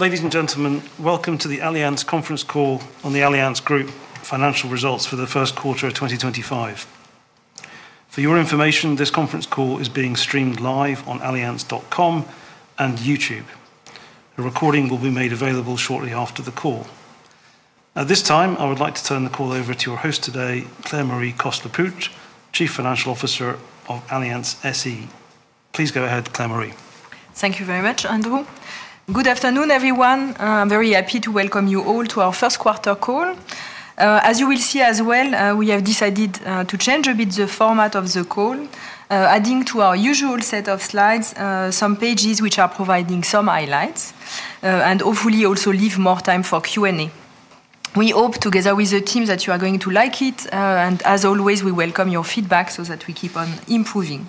Ladies and gentlemen, welcome to the Allianz Conference Call on the Allianz Group financial results for the first quarter of 2025. For your information, this conference call is being streamed live on allianz.com and YouTube. A recording will be made available shortly after the call. At this time, I would like to turn the call over to your host today, Claire-Marie Coste-Lepoutre, Chief Financial Officer of Allianz SE. Please go ahead, Claire-Marie. Thank you very much, Andrew. Good afternoon, everyone. I'm very happy to welcome you all to our first quarter call. As you will see as well, we have decided to change a bit the format of the call, adding to our usual set of slides some pages which are providing some highlights, and hopefully also leave more time for Q&A. We hope, together with the team, that you are going to like it, and as always, we welcome your feedback so that we keep on improving.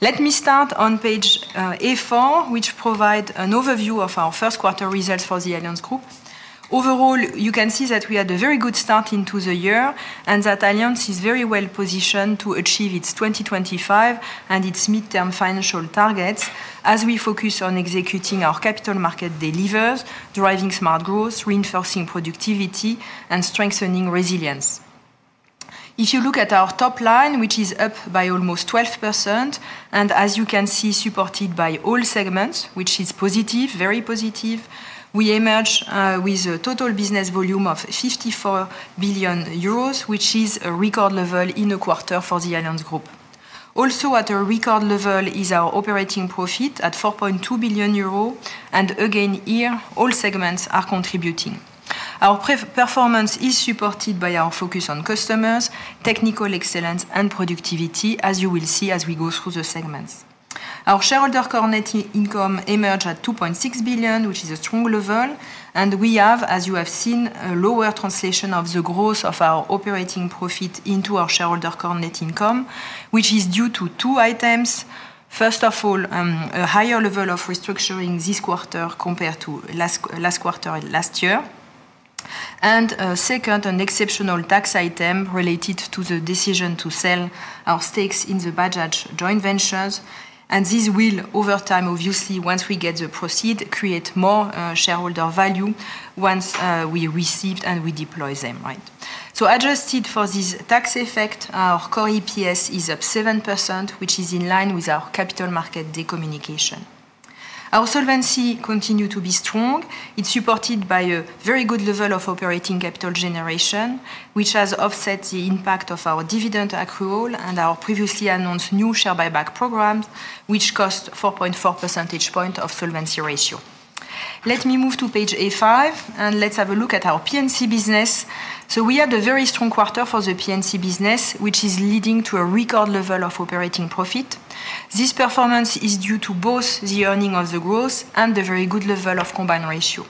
Let me start on page A4, which provides an overview of our first quarter results for the Allianz Group. Overall, you can see that we had a very good start into the year and that Allianz is very well positioned to achieve its 2025 and its midterm financial targets as we focus on executing our capital market deliveries, driving smart growth, reinforcing productivity, and strengthening resilience. If you look at our top line, which is up by almost 12%, and as you can see, supported by all segments, which is positive, very positive, we emerge with a total business volume of 54 billion euros, which is a record level in a quarter for the Allianz Group. Also, at a record level is our operating profit at 4.2 billion euro, and again here, all segments are contributing. Our performance is supported by our focus on customers, technical excellence, and productivity, as you will see as we go through the segments. Our shareholder core net income emerged at 2.6 billion, which is a strong level, and we have, as you have seen, a lower translation of the growth of our operating profit into our shareholder core net income, which is due to two items. First of all, a higher level of restructuring this quarter compared to last quarter last year, and second, an exceptional tax item related to the decision to sell our stakes in the Bajaj joint ventures, and this will, over time, obviously, once we get the proceeds, create more shareholder value once we receive and we deploy them. Adjusted for this tax effect, our core EPS is up 7%, which is in line with our capital market decommunication. Our solvency continues to be strong. It's supported by a very good level of operating capital generation, which has offset the impact of our dividend accrual and our previously announced new share buyback programs, which cost 4.4 percentage points of solvency ratio. Let me move to page A5, and let's have a look at our P&C business. We had a very strong quarter for the P&C business, which is leading to a record level of operating profit. This performance is due to both the earning of the growth and the very good level of combined ratio.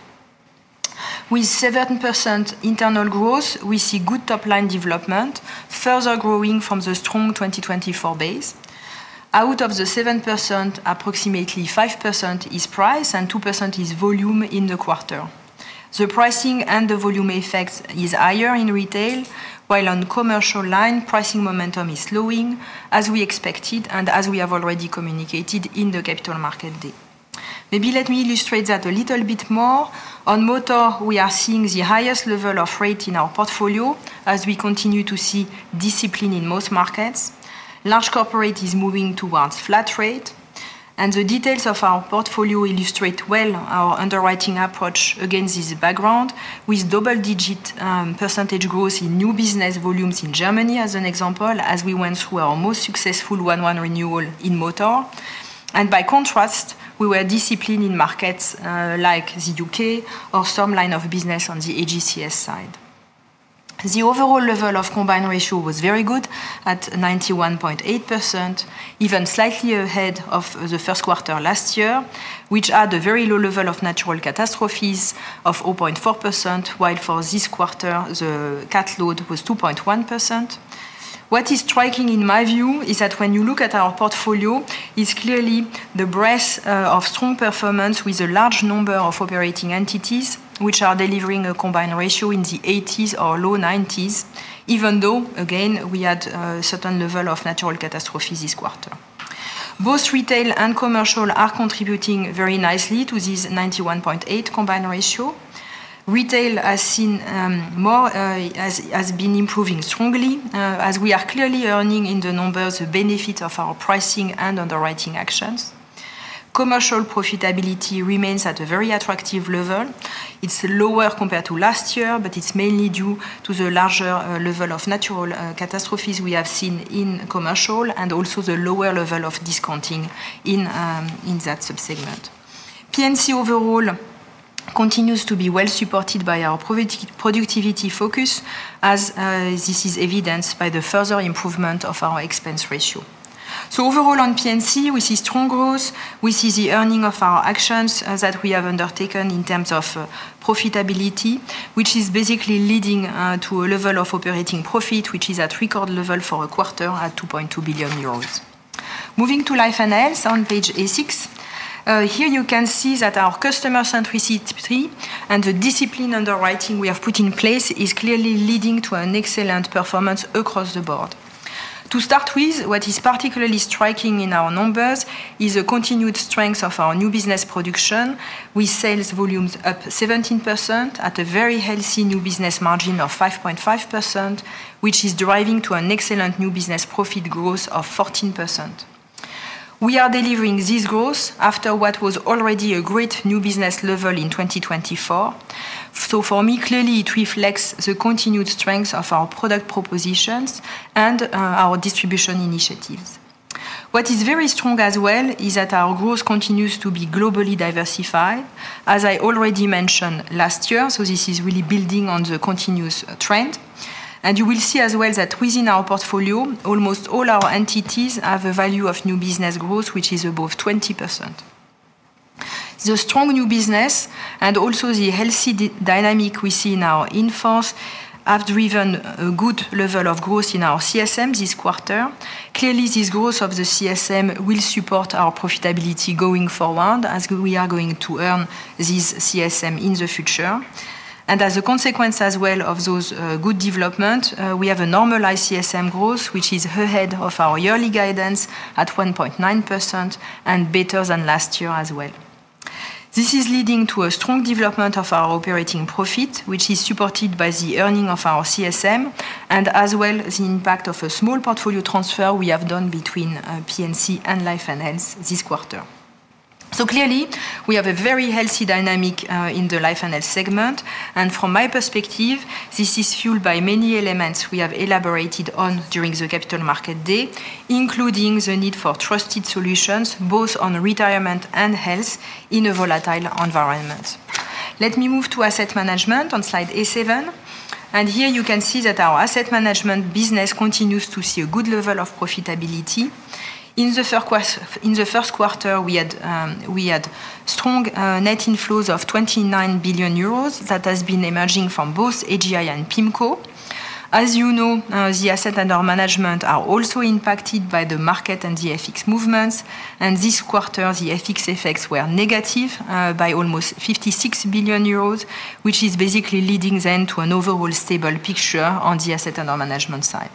With 7% internal growth, we see good top-line development, further growing from the strong 2024 base. Out of the 7%, approximately 5% is price and 2% is volume in the quarter. The pricing and the volume effect is higher in Retail, while on the Commercial line, pricing momentum is slowing, as we expected and as we have already communicated in the capital market day. Maybe let me illustrate that a little bit more. On motor, we are seeing the highest level of rate in our portfolio, as we continue to see discipline in most markets. Large corporate is moving towards flat rate, and the details of our portfolio illustrate well our underwriting approach against this background, with double-digit percentage growth in new business volumes in Germany, as an example, as we went through our most successful one-one renewal in motor. By contrast, we were disciplined in markets like the U.K. or some line of business on the AGCS side. The overall level of combined ratio was very good at 91.8%, even slightly ahead of the first quarter last year, which had a very low level of natural catastrophes of 0.4%, while for this quarter, the cat load was 2.1%. What is striking, in my view, is that when you look at our portfolio, it is clearly the breadth of strong performance with a large number of operating entities, which are delivering a combined ratio in the 80s or low 90s, even though, again, we had a certain level of natural catastrophes this quarter. Both Retail and Commercial are contributing very nicely to this 91.8% combined ratio. Retail has been improving strongly, as we are clearly earning in the numbers the benefit of our pricing and underwriting actions. Commercial profitability remains at a very attractive level. is lower compared to last year, but it is mainly due to the larger level of natural catastrophes we have seen in Commercial and also the lower level of discounting in that subsegment. P&C overall continues to be well supported by our productivity focus, as this is evidenced by the further improvement of our expense ratio. Overall on P&C, we see strong growth. We see the earning of our actions that we have undertaken in terms of profitability, which is basically leading to a level of operating profit, which is at record level for a quarter at 2.2 billion euros. Moving to Life and Health on page A6, here you can see that our customer centricity and the disciplined underwriting we have put in place is clearly leading to an excellent performance across the board. To start with, what is particularly striking in our numbers is the continued strength of our new business production, with sales volumes up 17% at a very healthy new business margin of 5.5%, which is driving to an excellent new business profit growth of 14%. We are delivering this growth after what was already a great new business level in 2024. For me, clearly, it reflects the continued strength of our product propositions and our distribution initiatives. What is very strong as well is that our growth continues to be globally diversified, as I already mentioned last year, so this is really building on the continuous trend. You will see as well that within our portfolio, almost all our entities have a value of new business growth, which is above 20%. The strong new business and also the healthy dynamic we see in our inference have driven a good level of growth in our CSM this quarter. Clearly, this growth of the CSM will support our profitability going forward, as we are going to earn this CSM in the future. As a consequence as well of those good developments, we have a normalized CSM growth, which is ahead of our yearly guidance at 1.9% and better than last year as well. This is leading to a strong development of our operating profit, which is supported by the earning of our CSM, and as well the impact of a small portfolio transfer we have done between P&C and Life and Health this quarter. Clearly, we have a very healthy dynamic in the Life and Health segment, and from my perspective, this is fueled by many elements we have elaborated on during the capital market day, including the need for trusted solutions both on retirement and health in a volatile environment. Let me move to asset management on slide A7, and here you can see that our asset management business continues to see a good level of profitability. In the first quarter, we had strong net inflows of 29 billion euros that has been emerging from both AGI and PIMCO. As you know, the assets under our management are also impacted by the market and the FX movements, and this quarter, the FX effects were negative by almost 56 billion euros, which is basically leading then to an overall stable picture on the assets under our management side.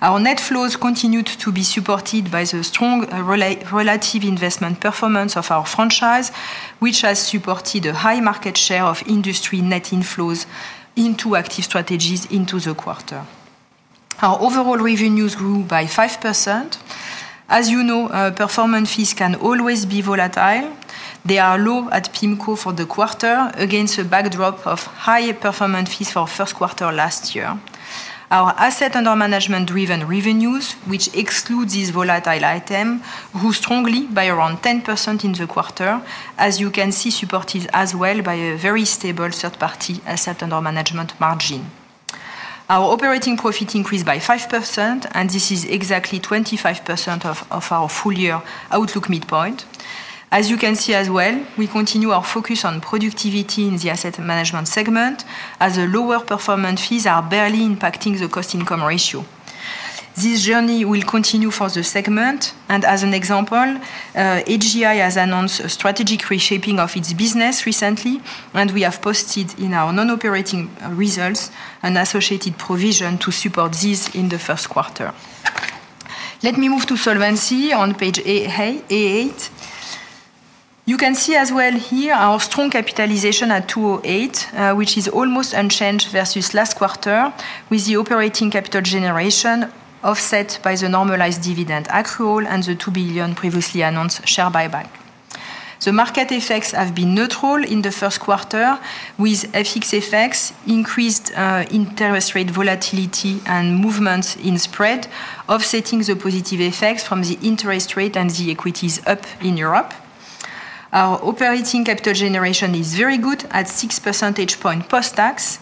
Our net flows continued to be supported by the strong relative investment performance of our franchise, which has supported a high market share of industry net inflows into active strategies into the quarter. Our overall revenues grew by 5%. As you know, performance fees can always be volatile. They are low at PIMCO for the quarter, against a backdrop of high performance fees for first quarter last year. Our asset and our management-driven revenues, which exclude these volatile items, grew strongly by around 10% in the quarter, as you can see supported as well by a very stable third-party asset and our management margin. Our operating profit increased by 5%, and this is exactly 25% of our full-year outlook midpoint. As you can see as well, we continue our focus on productivity in the asset and management segment, as the lower performance fees are barely impacting the cost-income ratio. This journey will continue for the segment, and as an example, AGI has announced a strategic reshaping of its business recently, and we have posted in our non-operating results an associated provision to support this in the first quarter. Let me move to solvency on page A8. You can see as well here our strong capitalization at 208%, which is almost unchanged versus last quarter, with the operating capital generation offset by the normalized dividend accrual and the 2 billion previously announced share buyback. The market effects have been neutral in the first quarter, with FX effects, increased interest rate volatility, and movements in spread offsetting the positive effects from the interest rate and the equities up in Europe. Our operating capital generation is very good at 6 percentage points post-tax.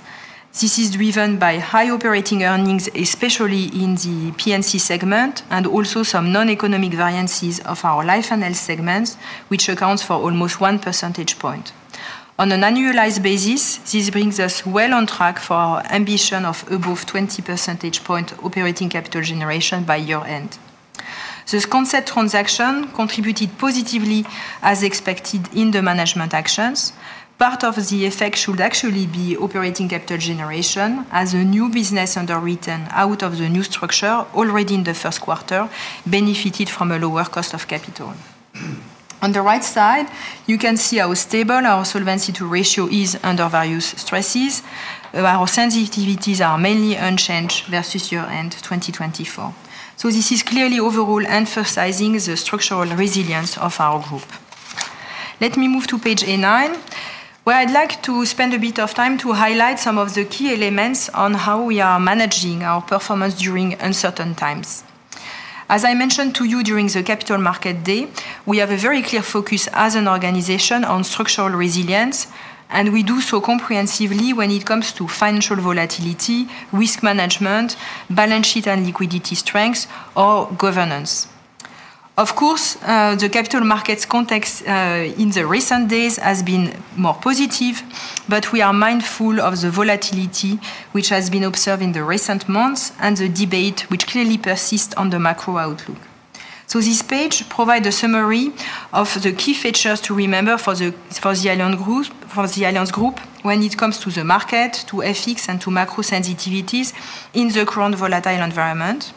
This is driven by high operating earnings, especially in the P&C segment, and also some non-economic variances of our Life and Health segments, which accounts for almost 1 percentage point. On an annualized basis, this brings us well on track for our ambition of above 20 percentage points operating capital generation by year-end. This concept transaction contributed positively, as expected, in the management actions. Part of the effect should actually be operating capital generation, as a new business underwritten out of the new structure already in the first quarter benefited from a lower cost of capital. On the right side, you can see how stable our solvency ratio is under various stresses. Our sensitivities are mainly unchanged versus year-end 2024. This is clearly overall emphasizing the structural resilience of our group. Let me move to page A9, where I'd like to spend a bit of time to highlight some of the key elements on how we are managing our performance during uncertain times. As I mentioned to you during the capital market day, we have a very clear focus as an organization on structural resilience, and we do so comprehensively when it comes to financial volatility, risk management, balance sheet and liquidity strengths, or governance. Of course, the capital markets context in the recent days has been more positive, but we are mindful of the volatility which has been observed in the recent months and the debate which clearly persists on the macro outlook. This page provides a summary of the key features to remember for the Allianz Group when it comes to the market, to FX, and to macro sensitivities in the current volatile environment.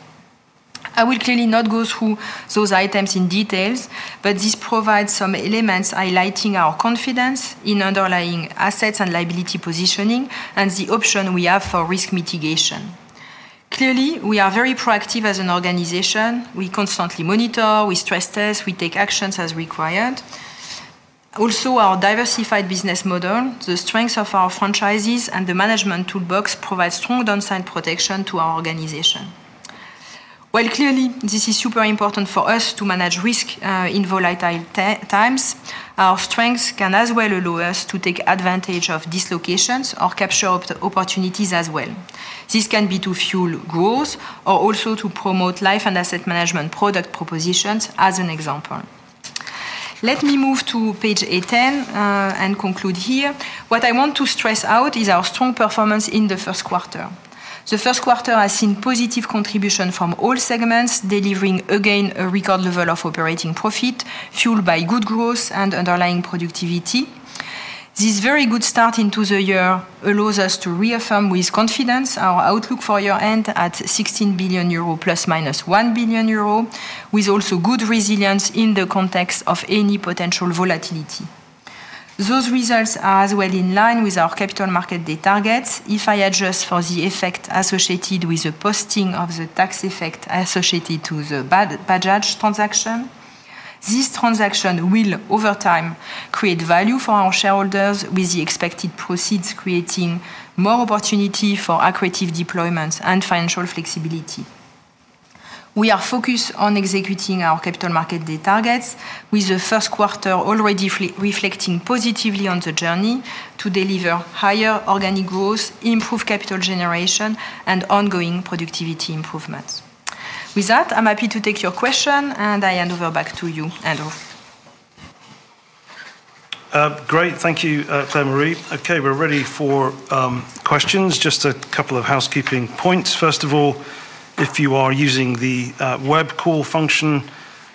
I will clearly not go through those items in detail, but this provides some elements highlighting our confidence in underlying assets and liability positioning and the option we have for risk mitigation. Clearly, we are very proactive as an organization. We constantly monitor, we stress test, we take actions as required. Also, our diversified business model, the strength of our franchises, and the management toolbox provide strong downside protection to our organization. While clearly this is super important for us to manage risk in volatile times, our strengths can as well allow us to take advantage of dislocations or capture opportunities as well. This can be to fuel growth or also to promote Life and Asset Management product propositions, as an example. Let me move to page A10 and conclude here. What I want to stress out is our strong performance in the first quarter. The first quarter has seen positive contribution from all segments, delivering again a record level of operating profit, fueled by good growth and underlying productivity. This very good start into the year allows us to reaffirm with confidence our outlook for year-end at 16 billion euro ± 1 billion euro, with also good resilience in the context of any potential volatility. Those results are as well in line with our capital market day targets. If I adjust for the effect associated with the posting of the tax effect associated to the Bajaj transaction, this transaction will, over time, create value for our shareholders, with the expected proceeds creating more opportunity for accretive deployments and financial flexibility. We are focused on executing our capital market day targets, with the first quarter already reflecting positively on the journey to deliver higher organic growth, improved capital generation, and ongoing productivity improvements. With that, I'm happy to take your question, and I hand over back to you, Andrew. Great. Thank you, Claire-Marie. Okay, we're ready for questions. Just a couple of housekeeping points. First of all, if you are using the web call function,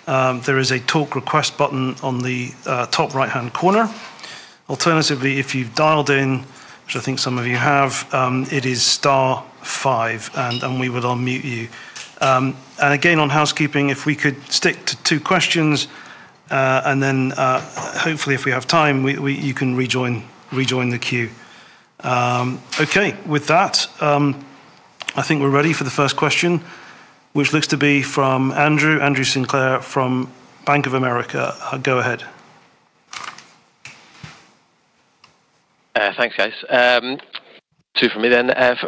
there is a talk request button on the top right-hand corner. Alternatively, if you've dialed in, which I think some of you have, it is star five, and we will unmute you. Again, on housekeeping, if we could stick to two questions, and then hopefully, if we have time, you can rejoin the queue. Okay, with that, I think we're ready for the first question, which looks to be from Andrew, Andrew Sinclair from Bank of America. Go ahead. Thanks, guys. Two from me then.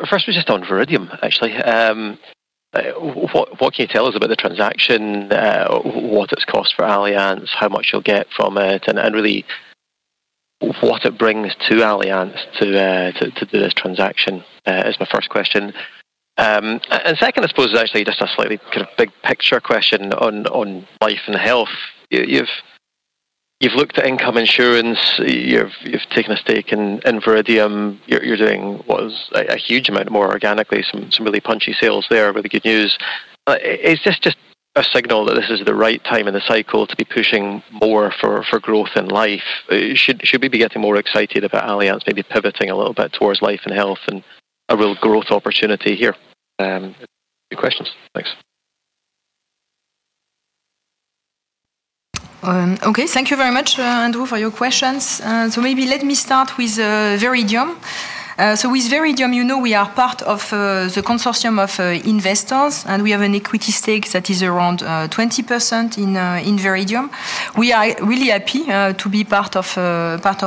First, we're just on Viridium, actually. What can you tell us about the transaction, what its cost for Allianz, how much you'll get from it, and really what it brings to Allianz to do this transaction is my first question. Second, I suppose, actually, just a slightly kind of big picture question on Life and Health. You've looked at income insurance, you've taken a stake in Viridium, you're doing what was a huge amount more organically, some really punchy sales there, really good news. Is this just a signal that this is the right time in the cycle to be pushing more for growth in life? Should we be getting more excited about Allianz maybe pivoting a little bit towards Life and Health and a real growth opportunity here? Good questions. Thanks. Okay, thank you very much, Andrew, for your questions. Maybe let me start with Viridium. With Viridium, you know we are part of the consortium of investors, and we have an equity stake that is around 20% in Viridium. We are really happy to be part of that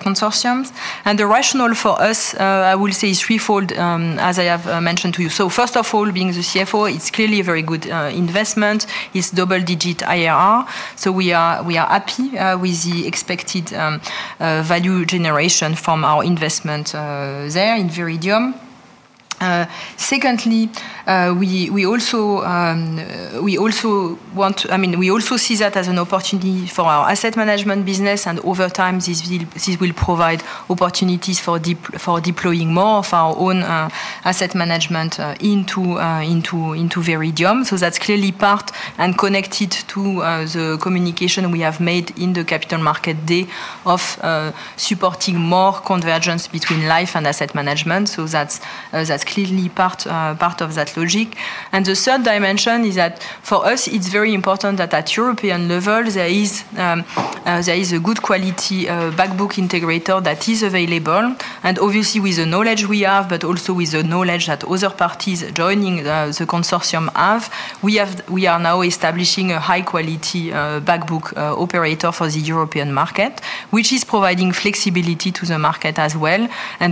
consortium. The rationale for us, I will say, is threefold, as I have mentioned to you. First of all, being the CFO, it is clearly a very good investment. It is double-digit IRR. We are happy with the expected value generation from our investment there in Viridium. Secondly, we also want—I mean, we also see that as an opportunity for our asset management business, and over time, this will provide opportunities for deploying more of our own asset management into Viridium. That is clearly part and connected to the communication we have made in the capital market day of supporting more convergence between Life and Asset Management. That is clearly part of that logic. The third dimension is that for us, it's very important that at European level, there is a good quality backbook integrator that is available. Obviously, with the knowledge we have, but also with the knowledge that other parties joining the consortium have, we are now establishing a high-quality backbook operator for the European market, which is providing flexibility to the market as well.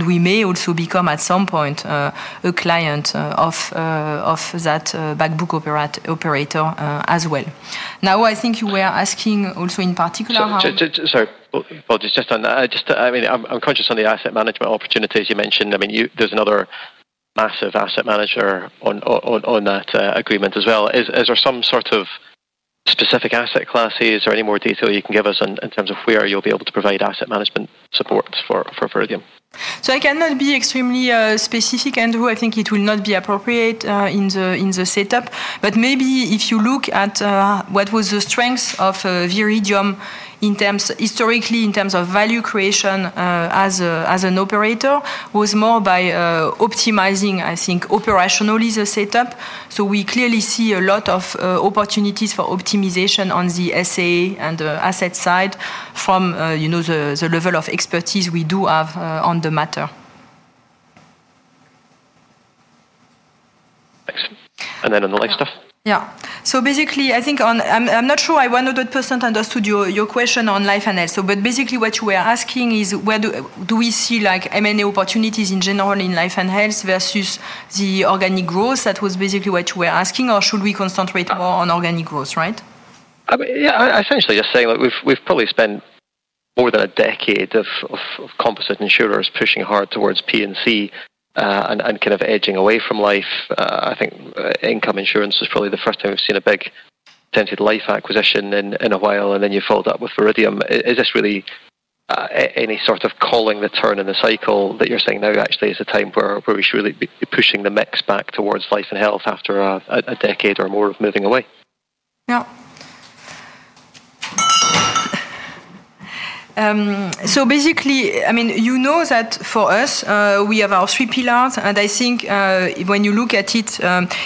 We may also become, at some point, a client of that backbook operator as well. I think you were asking also in particular how— Sorry, Paul, just on that. I mean, I'm conscious on the asset management opportunities you mentioned. I mean, there's another massive asset manager on that agreement as well. Is there some sort of specific asset classes or any more detail you can give us in terms of where you'll be able to provide asset management support for Viridium? I cannot be extremely specific, Andrew. I think it will not be appropriate in the setup. Maybe if you look at what was the strength of Viridium historically in terms of value creation as an operator, it was more by optimizing, I think, operationally the setup. We clearly see a lot of opportunities for optimization on the SA and asset side from the level of expertise we do have on the matter. Thanks. On the next stuff, yeah. Basically, I think I'm not sure I 100% understood your question on Life and Health. Basically, what you were asking is, do we see M&A opportunities in general in Life and Health versus the organic growth? That was basically what you were asking. Should we concentrate more on organic growth, right? Yeah, essentially, just saying we've probably spent more than a decade of composite insurers pushing hard towards P&C and kind of edging away from life. I think income insurance is probably the first time we've seen a big attempted life acquisition in a while, and then you followed up with Viridium. Is this really any sort of calling the turn in the cycle that you're saying now actually is a time where we should really be pushing the mix back towards Life and Health after a decade or more of moving away? Yeah. Basically, I mean, you know that for us, we have our three pillars. I think when you look at it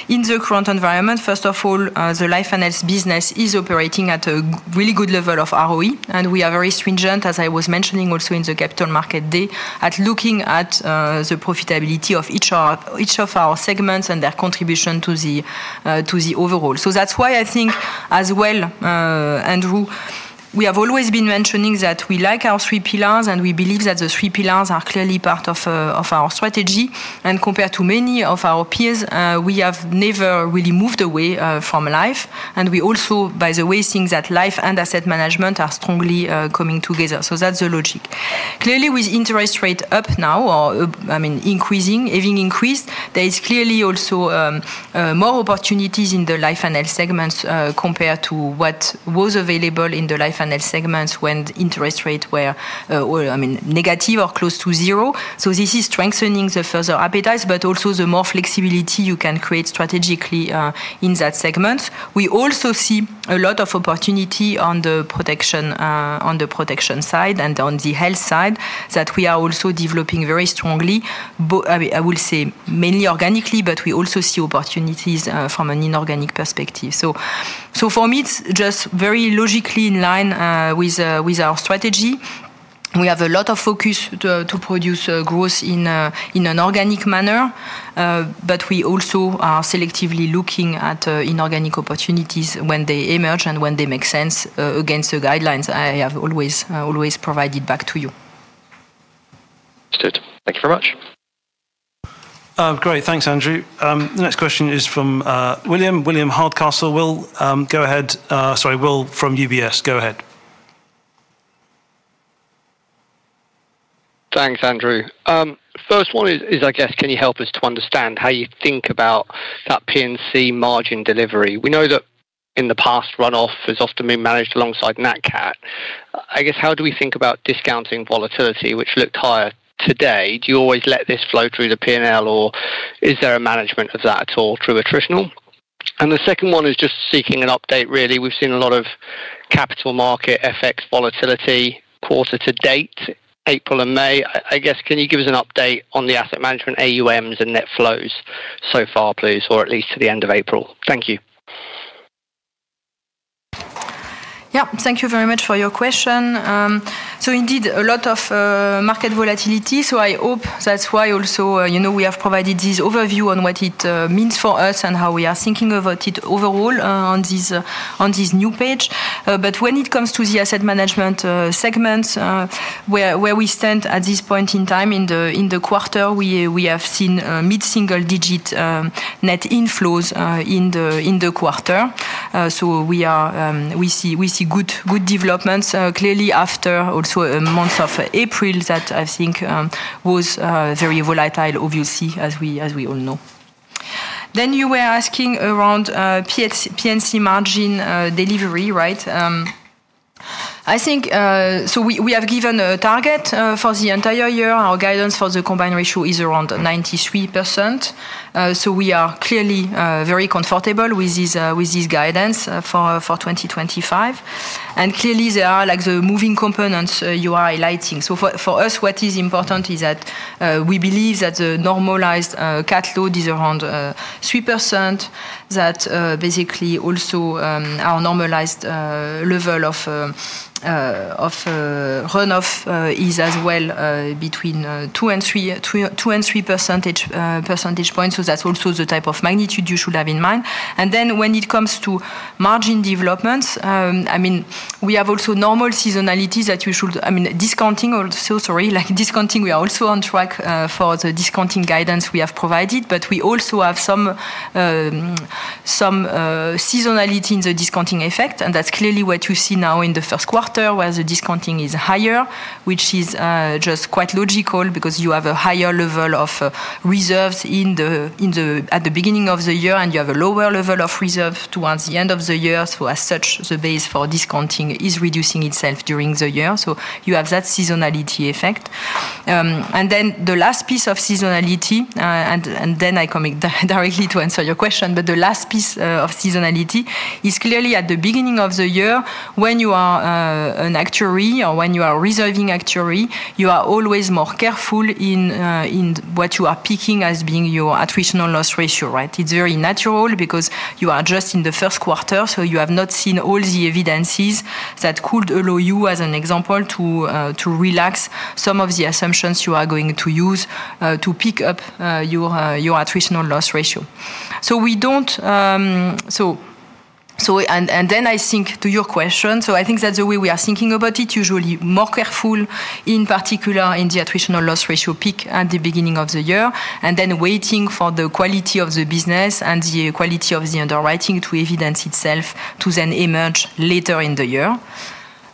in the current environment, first of all, the Life and Health business is operating at a really good level of RoE. We are very stringent, as I was mentioning also in the capital market day, at looking at the profitability of each of our segments and their contribution to the overall. That is why I think as well, Andrew, we have always been mentioning that we like our three pillars, and we believe that the three pillars are clearly part of our strategy. Compared to many of our peers, we have never really moved away from life. We also, by the way, think that Life and Asset Management are strongly coming together. That is the logic. Clearly, with interest rate up now, or I mean, increasing, having increased, there is clearly also more opportunities in the Life and Health segments compared to what was available in the Life and Health segments when interest rates were, I mean, negative or close to zero. This is strengthening the further appetites, but also the more flexibility you can create strategically in that segment. We also see a lot of opportunity on the protection side and on the health side that we are also developing very strongly. I will say mainly organically, but we also see opportunities from an inorganic perspective. For me, it is just very logically in line with our strategy. We have a lot of focus to produce growth in an organic manner, but we also are selectively looking at inorganic opportunities when they emerge and when they make sense against the guidelines I have always provided back to you. Good. Thank you very much. Great. Thanks, Andrew. The next question is from William. William Hardcastle will go ahead. Sorry, Will from UBS. Go ahead. Thanks, Andrew. First one is, I guess, can you help us to understand how you think about that P&C margin delivery? We know that in the past, runoff has often been managed alongside NatCat. I guess, how do we think about discounting volatility, which looked higher today? Do you always let this flow through the P&L, or is there a management of that at all through attritional? The second one is just seeking an update, really. We've seen a lot of capital market FX volatility quarter to date, April and May. I guess, can you give us an update on the asset management AUMs and net flows so far, please, or at least to the end of April? Thank you. Yeah, thank you very much for your question. Indeed, a lot of market volatility. I hope that's why also we have provided this overview on what it means for us and how we are thinking about it overall on this new page. When it comes to the asset management segments, where we stand at this point in time in the quarter, we have seen mid-single digit net inflows in the quarter. We see good developments clearly after also months of April that I think was very volatile, obviously, as we all know. You were asking around P&C margin delivery, right? I think we have given a target for the entire year. Our guidance for the combined ratio is around 93%. We are clearly very comfortable with this guidance for 2025. Clearly, there are the moving components you are highlighting. For us, what is important is that we believe that the normalized cat load is around 3%, that basically also our normalized level of runoff is as well between 2 and 3 percentage points. That is also the type of magnitude you should have in mind. When it comes to margin developments, I mean, we have also normal seasonalities that you should, I mean, discounting also, sorry, like discounting, we are also on track for the discounting guidance we have provided. We also have some seasonality in the discounting effect. That is clearly what you see now in the first quarter where the discounting is higher, which is just quite logical because you have a higher level of reserves at the beginning of the year, and you have a lower level of reserves towards the end of the year. As such, the base for discounting is reducing itself during the year. You have that seasonality effect. The last piece of seasonality, and then I come directly to answer your question, but the last piece of seasonality is clearly at the beginning of the year when you are an actuary or when you are a reserving actuary, you are always more careful in what you are picking as being your attritional loss ratio, right? It is very natural because you are just in the first quarter, so you have not seen all the evidences that could allow you, as an example, to relax some of the assumptions you are going to use to pick up your attritional loss ratio. We do not, and then I think to your question, I think that is the way we are thinking about it, usually more careful, in particular in the attritional loss ratio peak at the beginning of the year, and then waiting for the quality of the business and the quality of the underwriting to evidence itself to then emerge later in the year.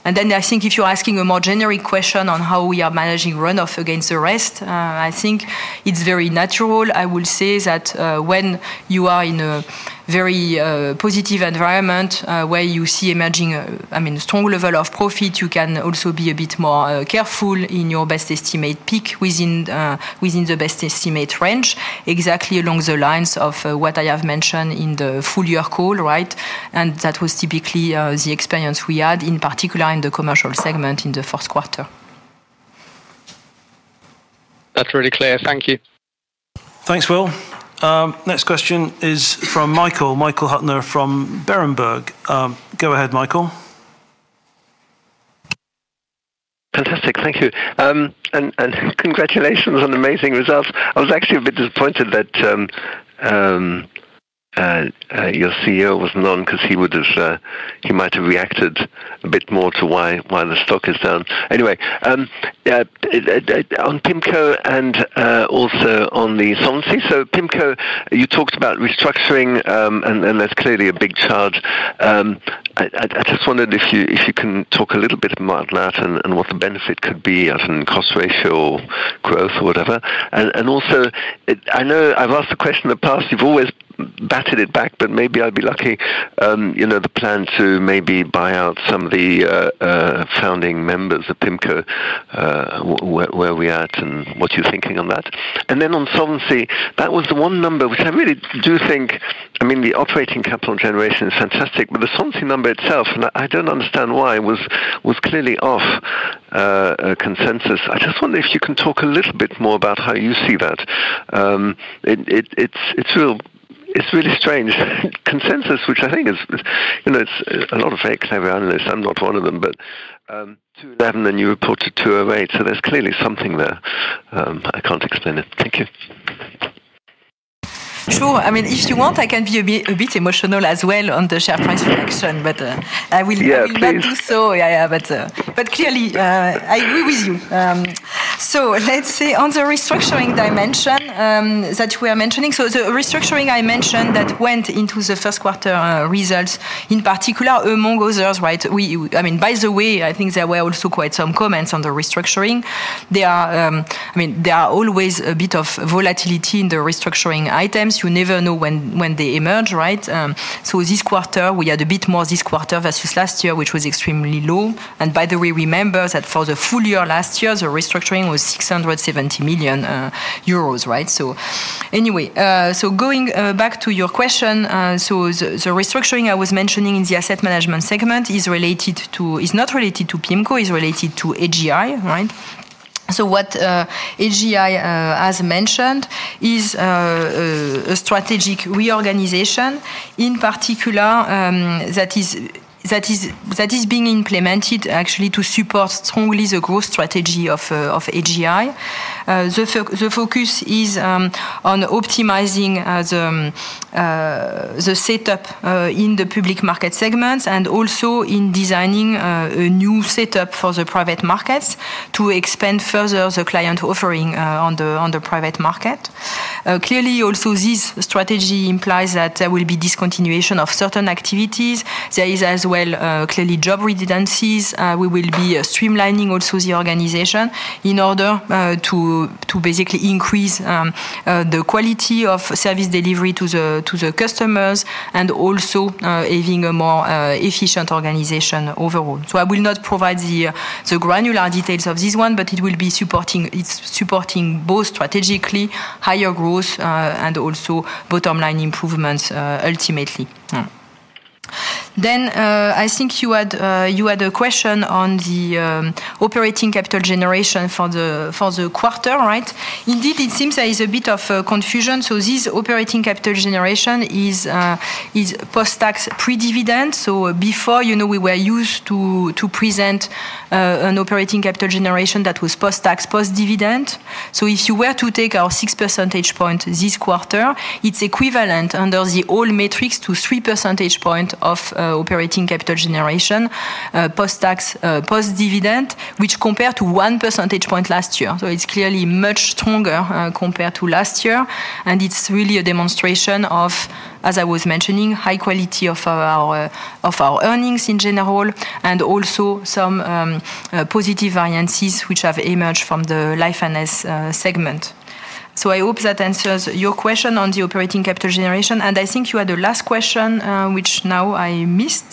I think if you are asking a more generic question on how we are managing runoff against the rest, I think it is very natural. I will say that when you are in a very positive environment where you see emerging, I mean, a strong level of profit, you can also be a bit more careful in your best estimate peak within the best estimate range, exactly along the lines of what I have mentioned in the full year call, right? That was typically the experience we had, in particular in the Commercial segment in the first quarter. That's really clear. Thank you. Thanks, Will. Next question is from Michael, Michael Huttner from Berenberg. Go ahead, Michael. Fantastic. Thank you. And congratulations on amazing results. I was actually a bit disappointed that your CEO wasn't on because he might have reacted a bit more to why the stock is down. Anyway, on PIMCO and also on the sovereignty. So PIMCO, you talked about restructuring, and that's clearly a big charge. I just wondered if you can talk a little bit about that and what the benefit could be as a cost ratio growth or whatever. I know I've asked the question in the past. You've always batted it back, but maybe I'd be lucky, the plan to maybe buy out some of the founding members of PIMCO, where we're at and what you're thinking on that. On solvency, that was the one number which I really do think, I mean, the operating capital generation is fantastic, but the solvency number itself, and I don't understand why it was clearly off consensus. I just wonder if you can talk a little bit more about how you see that. It's really strange. Consensus, which I think is a lot of very clever analysts. I'm not one of them, but 2011 and you reported 2008. There is clearly something there. I can't explain it. Thank you. Sure. I mean, if you want, I can be a bit emotional as well on the share price reaction, but I will not do so. Clearly, I agree with you. Let's say on the restructuring dimension that we are mentioning, the restructuring I mentioned that went into the first quarter results, in particular among others, right? I mean, by the way, I think there were also quite some comments on the restructuring. I mean, there is always a bit of volatility in the restructuring items. You never know when they emerge, right? This quarter, we had a bit more this quarter versus last year, which was extremely low. By the way, remember that for the full year last year, the restructuring was 670 million euros, right? Anyway, going back to your question, the restructuring I was mentioning in the asset management segment is not related to PIMCO, it is related to AGI, right? What AGI has mentioned is a strategic reorganization, in particular, that is being implemented actually to support strongly the growth strategy of AGI. The focus is on optimizing the setup in the public market segments and also in designing a new setup for the private markets to expand further the client offering on the private market. Clearly, also this strategy implies that there will be discontinuation of certain activities. There is as well clearly job redundancies. We will be streamlining also the organization in order to basically increase the quality of service delivery to the customers and also having a more efficient organization overall. I will not provide the granular details of this one, but it will be supporting both strategically higher growth and also bottom line improvements ultimately. I think you had a question on the operating capital generation for the quarter, right? Indeed, it seems there is a bit of confusion. This operating capital generation is post-tax pre-dividend. Before, we were used to present an operating capital generation that was post-tax post-dividend. If you were to take our 6 percentage points this quarter, it is equivalent under the old metrics to 3 percentage points of operating capital generation post-tax post-dividend, which compared to 1 percentage point last year. It is clearly much stronger compared to last year. It is really a demonstration of, as I was mentioning, high quality of our earnings in general and also some positive variances which have emerged from the Life and Health segment. I hope that answers your question on the operating capital generation. I think you had a last question, which now I missed.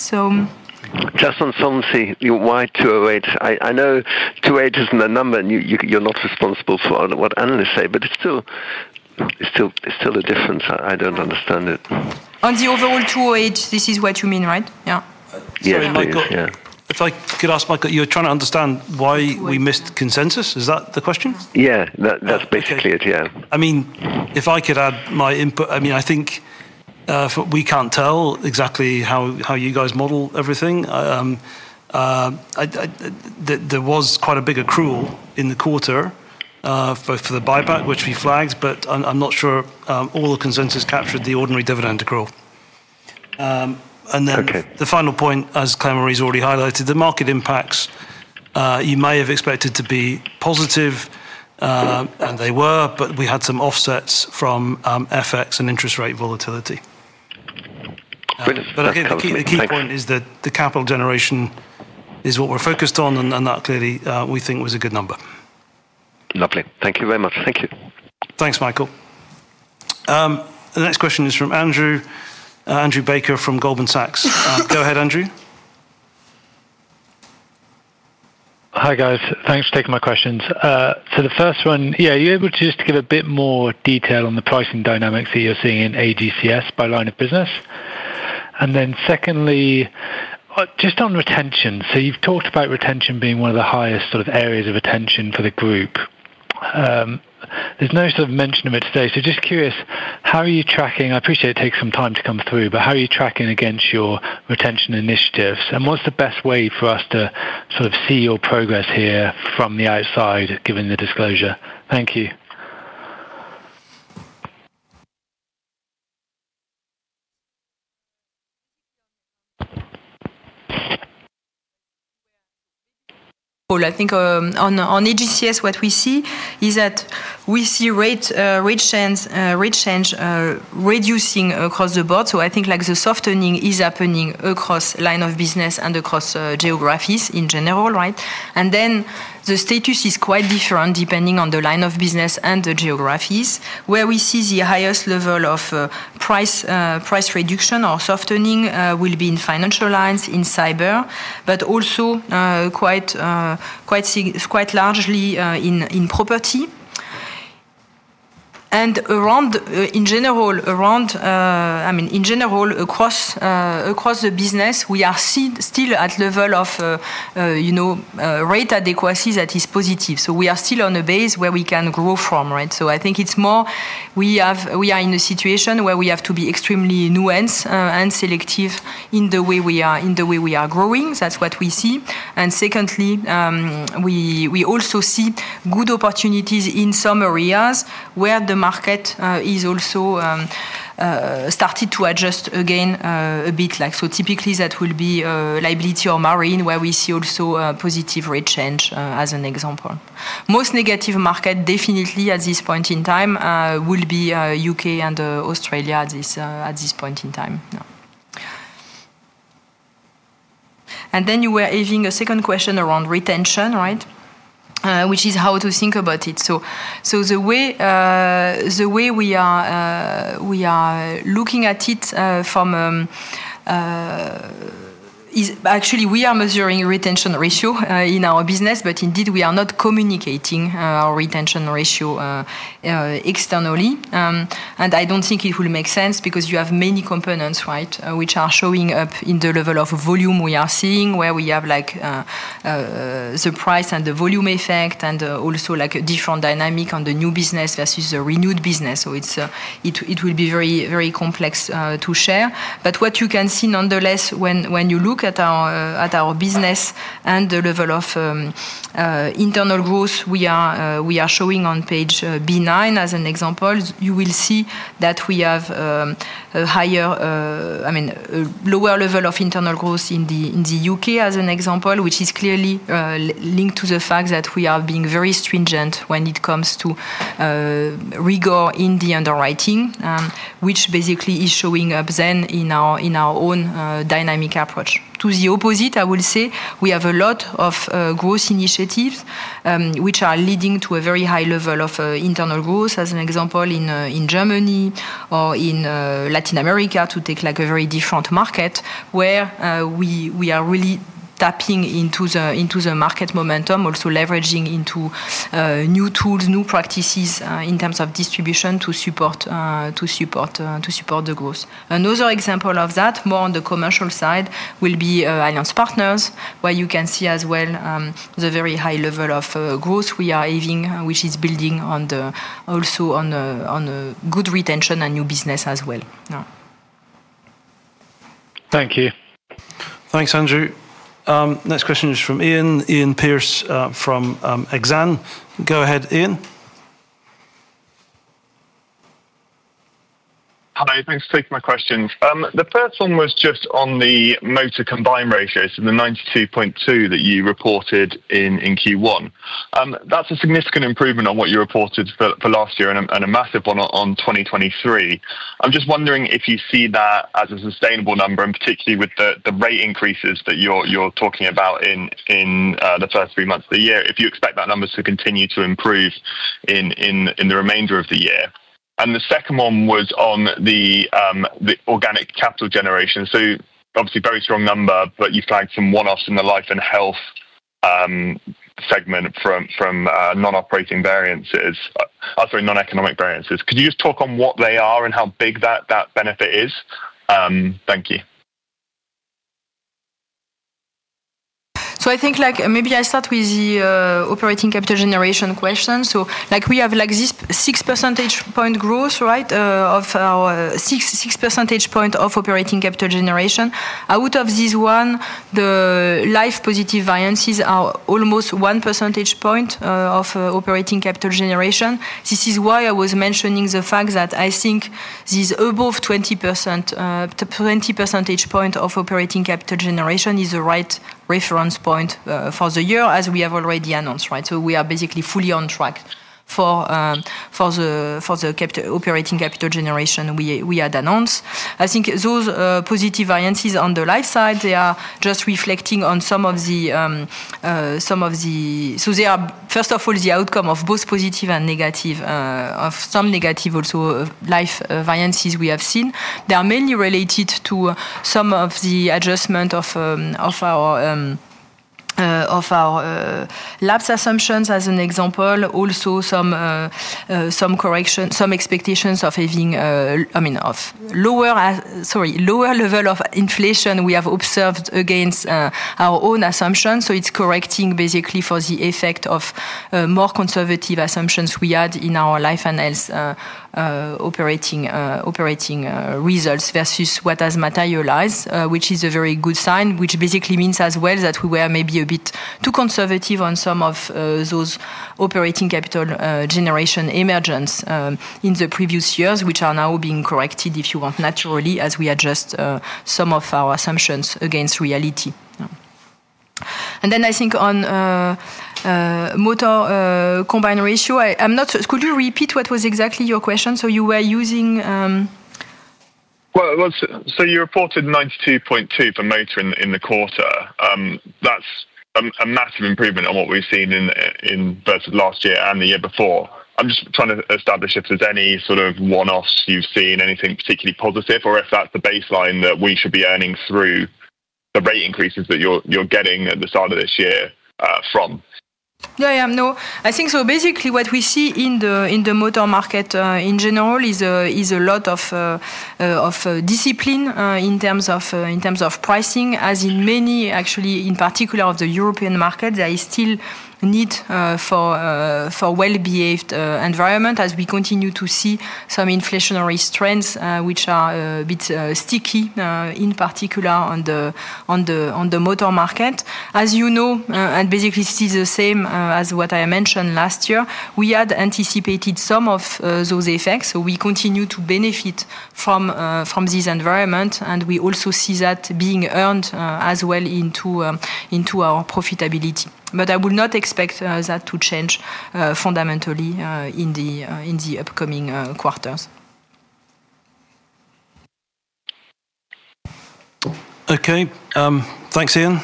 Just on solvency, why 208%? I know 208% is not a number, and you're not responsible for what analysts say, but it's still a difference. I don't understand it. On the overall 208%, this is what you mean, right? Yeah. Sorry, Michael. If I could ask, Michael, you're trying to understand why we missed consensus? Is that the question? Yeah, that's basically it, yeah. I mean, if I could add my input, I think we can't tell exactly how you guys model everything. There was quite a big accrual in the quarter, both for the buyback, which we flagged, but I'm not sure all the consensus captured the ordinary dividend accrual. The final point, as Claire-Marie's already highlighted, the market impacts, you may have expected to be positive, and they were, but we had some offsets from FX and interest rate volatility. I think the key point is that the capital generation is what we're focused on, and that clearly we think was a good number. Lovely. Thank you very much. Thank you. Thanks, Michael. The next question is from Andrew Baker from Goldman Sachs. Go ahead, Andrew. Hi guys. Thanks for taking my questions. The first one, yeah, are you able to just give a bit more detail on the pricing dynamics that you're seeing in AGCS by line of business? And then secondly, just on retention. You've talked about retention being one of the highest sort of areas of retention for the group. There's no sort of mention of it today. Just curious, how are you tracking? I appreciate it takes some time to come through, but how are you tracking against your retention initiatives? What's the best way for us to sort of see your progress here from the outside, given the disclosure? Thank you. I think on AGCS, what we see is that we see rate change reducing across the board. I think the softening is happening across line of business and across geographies in general, right? The status is quite different depending on the line of business and the geographies where we see the highest level of price reduction or softening will be in financial lines, in Cyber, but also quite largely in property. In general, I mean, in general, across the business, we are still at level of rate adequacy that is positive. We are still on a base where we can grow from, right? I think it's more we are in a situation where we have to be extremely nuanced and selective in the way we are growing. That's what we see. Secondly, we also see good opportunities in some areas where the market is also starting to adjust again a bit. Typically, that will be liability or marine where we see also positive rate change as an example. Most negative market, definitely at this point in time, will be U.K. and Australia at this point in time. You were having a second question around retention, right? Which is how to think about it. The way we are looking at it from actually, we are measuring retention ratio in our business, but indeed, we are not communicating our retention ratio externally. I do not think it will make sense because you have many components, right, which are showing up in the level of volume we are seeing where we have the price and the volume effect and also different dynamic on the new business versus the renewed business. It will be very complex to share. What you can see nonetheless, when you look at our business and the level of internal growth we are showing on page B9 as an example, you will see that we have a higher, I mean, lower level of internal growth in the U.K. as an example, which is clearly linked to the fact that we are being very stringent when it comes to rigor in the underwriting, which basically is showing up then in our own dynamic approach. To the opposite, I will say we have a lot of growth initiatives which are leading to a very high level of internal growth, as an example, in Germany or in Latin America to take a very different market where we are really tapping into the market momentum, also leveraging into new tools, new practices in terms of distribution to support the growth. Another example of that, more on the Commercial side, will be Allianz Partners, where you can see as well the very high level of growth we are having, which is building also on good retention and new business as well. Thank you. Thanks, Andrew. Next question is from Iain. Iain Pearce from Exane. Go ahead, Iain. Hi, thanks for taking my question. The first one was just on the motor combined ratio, so the 92.2% that you reported in Q1. That's a significant improvement on what you reported for last year and a massive one on 2023. I'm just wondering if you see that as a sustainable number, and particularly with the rate increases that you're talking about in the first three months of the year, if you expect that number to continue to improve in the remainder of the year. The second one was on the organic capital generation. Obviously, very strong number, but you've tagged some one-offs in the Life and Health segment from non-economic variances. Could you just talk on what they are and how big that benefit is? Thank you. I think maybe I start with the operating capital generation question. We have this 6 percentage point growth, right, of 6 percentage point of operating capital generation. Out of this one, the life positive variances are almost 1 percentage point of operating capital generation. This is why I was mentioning the fact that I think this above 20 percentage point of operating capital generation is the right reference point for the year, as we have already announced, right? We are basically fully on track for the operating capital generation we had announced. I think those positive variances on the life side, they are just reflecting on some of the, so they are, first of all, the outcome of both positive and negative, of some negative also life variances we have seen. They are mainly related to some of the adjustment of our lapse assumptions as an example, also some expectations of having, I mean, of lower level of inflation we have observed against our own assumptions. It's correcting basically for the effect of more conservative assumptions we had in our Life and Health operating results versus what has materialized, which is a very good sign, which basically means as well that we were maybe a bit too conservative on some of those operating capital generation emergence in the previous years, which are now being corrected, if you want, naturally, as we adjust some of our assumptions against reality. I think on motor combined ratio, could you repeat what was exactly your question? You reported 92.2% for motor in the quarter. That's a massive improvement on what we've seen versus last year and the year before. I'm just trying to establish if there's any sort of one-offs you've seen, anything particularly positive, or if that's the baseline that we should be earning through the rate increases that you're getting at the start of this year from. Yeah, yeah, no. I think so basically what we see in the motor market in general is a lot of discipline in terms of pricing, as in many, actually, in particular of the European market, there is still need for well-behaved environment as we continue to see some inflationary strengths, which are a bit sticky, in particular on the motor market. As you know, and basically this is the same as what I mentioned last year, we had anticipated some of those effects. So we continue to benefit from this environment, and we also see that being earned as well into our profitability. I will not expect that to change fundamentally in the upcoming quarters. Okay. Thanks, Iain.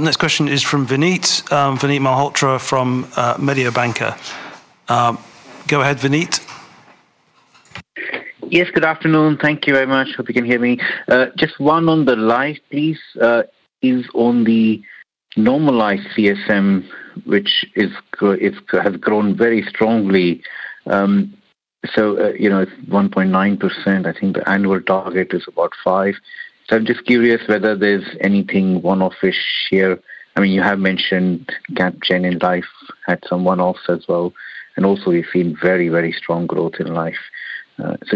Next question is from Vinit, Vinit Malhotra from Mediobanca. Go ahead, Vineet. Yes, good afternoon. Thank you very much. Hope you can hear me. Just one on the life, please. Is on the normalized CSM, which has grown very strongly. So it's 1.9%. I think the annual target is about 5%. I'm just curious whether there's anything one-off-ish here. I mean, you have mentioned Gapgen in life had some one-offs as well. And also, you've seen very, very strong growth in life.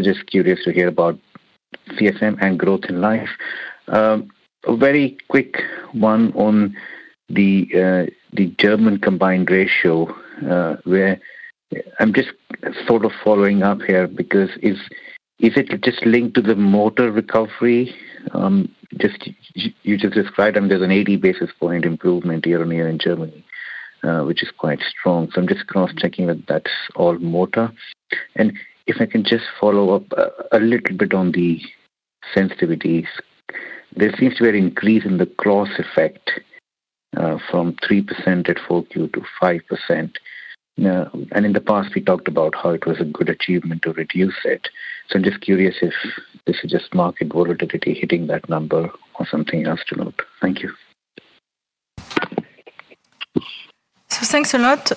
Just curious to hear about CSM and growth in life. A very quick one on the German combined ratio, where I'm just sort of following up here because is it just linked to the motor recovery? You just described there's an 80 basis point improvement year on year in Germany, which is quite strong. I'm just cross-checking that that's all motor. If I can just follow up a little bit on the sensitivities, there seems to be an increase in the cross effect from 3% at 4Q to 5%. In the past, we talked about how it was a good achievement to reduce it. I'm just curious if this is just market volatility hitting that number or something else to note. Thank you. Thanks a lot.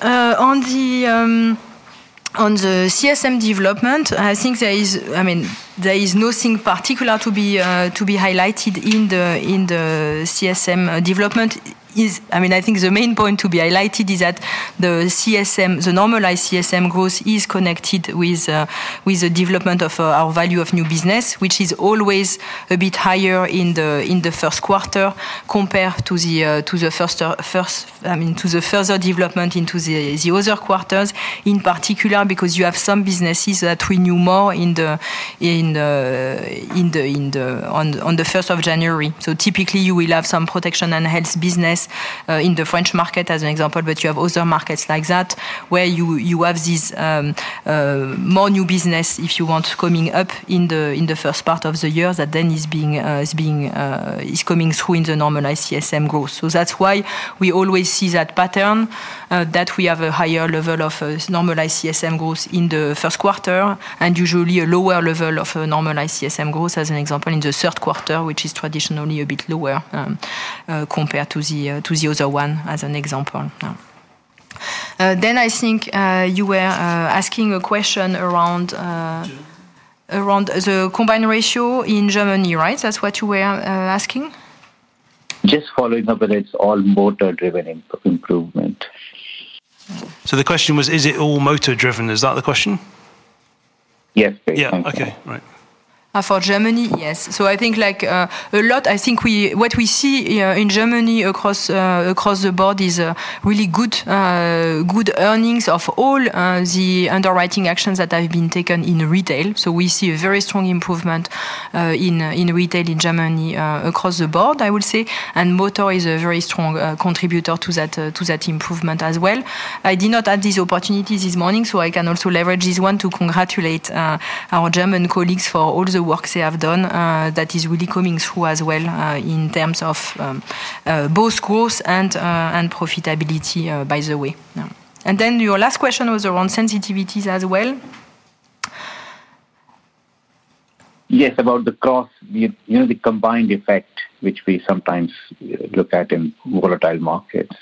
On the CSM development, I think there is, I mean, there is nothing particular to be highlighted in the CSM development. I mean, I think the main point to be highlighted is that the normalized CSM growth is connected with the development of our value of new business, which is always a bit higher in the first quarter compared to the first, I mean, to the further development into the other quarters, in particular because you have some businesses that we knew more on the 1st of January. Typically, you will have some protection and health business in the French market as an example, but you have other markets like that where you have these more new business, if you want, coming up in the first part of the year that then is coming through in the normalized CSM growth. That is why we always see that pattern that we have a higher level of normalized CSM growth in the first quarter and usually a lower level of normalized CSM growth as an example in the third quarter, which is traditionally a bit lower compared to the other one as an example. I think you were asking a question around the combined ratio in Germany, right? That is what you were asking? Just following up, but it is all motor-driven improvement. The question was, is it all motor-driven? Is that the question? Yes, please. Yeah. Okay. Right. For Germany, yes. I think what we see in Germany across the board is really good earnings of all the underwriting actions that have been taken in Retail. We see a very strong improvement in Retail in Germany across the board, I will say. Motor is a very strong contributor to that improvement as well. I did not add these opportunities this morning, so I can also leverage this one to congratulate our German colleagues for all the work they have done that is really coming through as well in terms of both growth and profitability, by the way. Your last question was around sensitivities as well. Yes, about the cross, the combined effect, which we sometimes look at in volatile markets.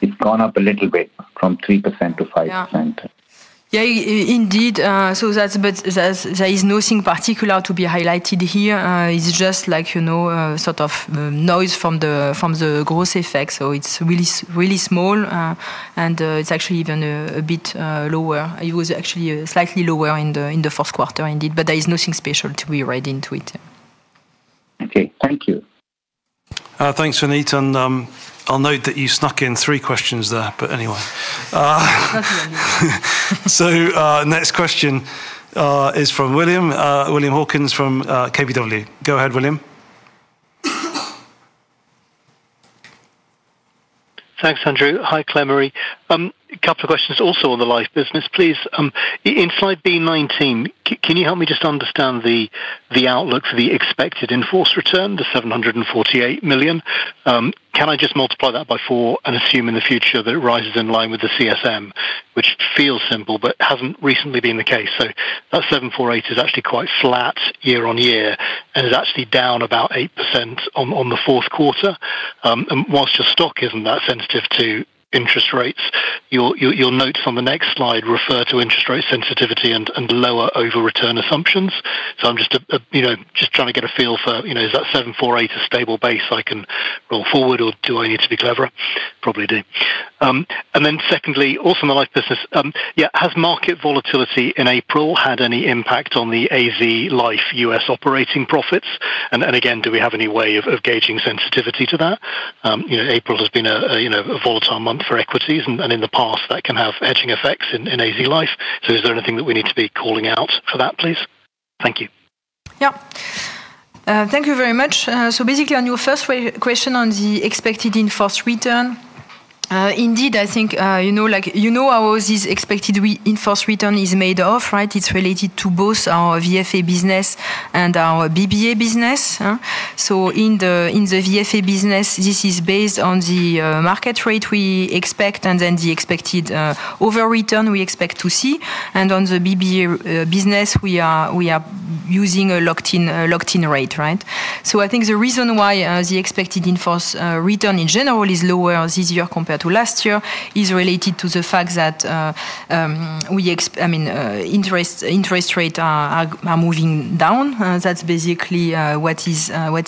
It has gone up a little bit from 3% to 5%. Yeah, indeed. There is nothing particular to be highlighted here. It is just sort of noise from the growth effect. It is really small, and it is actually even a bit lower. It was actually slightly lower in the first quarter, indeed, but there is nothing special to be read into it. Okay. Thank you. Thanks, Vinit. I'll note that you snuck in three questions there, but anyway. Next question is from William Hawkins from KBW. Go ahead, William. Thanks, Andrew. Hi, Claire-Marie. A couple of questions also on the life business, please. In slide B19, can you help me just understand the outlook for the expected in-force return, the 748 million? Can I just multiply that by four and assume in the future that it rises in line with the CSM, which feels simple but has not recently been the case? That 748 million is actually quite flat year on year and is actually down about 8% on the fourth quarter. Whilst your stock is not that sensitive to interest rates, your notes on the next slide refer to interest rate sensitivity and lower over return assumptions. I'm just trying to get a feel for, is that 748 million a stable base I can roll forward, or do I need to be cleverer? Probably do. Secondly, also in the life business, yeah, has market volatility in April had any impact on the AZ Life U.S. operating profits? Again, do we have any way of gauging sensitivity to that? April has been a volatile month for equities, and in the past, that can have etching effects in AZ Life. Is there anything that we need to be calling out for that, please? Thank you. Yeah. Thank you very much. Basically, on your first question on the expected enforced return, indeed, I think you know how this expected enforced return is made of, right? It's related to both our VFA business and our BBA business. In the VFA business, this is based on the market rate we expect and then the expected over return we expect to see. On the BBA business, we are using a locked-in rate, right? I think the reason why the expected enforced return in general is lower this year compared to last year is related to the fact that, I mean, interest rates are moving down. That is basically what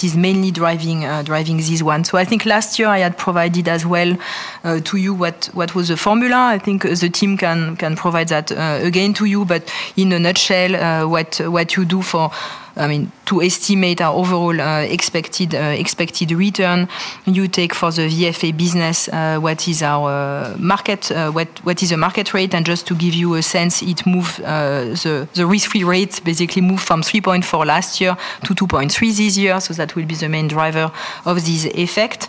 is mainly driving this one. I think last year, I had provided as well to you what was the formula. I think the team can provide that again to you, but in a nutshell, what you do for, I mean, to estimate our overall expected return, you take for the VFA business what is our market, what is the market rate. Just to give you a sense, the risk-free rate basically moved from 3.4 last year to 2.3 this year. That will be the main driver of this effect.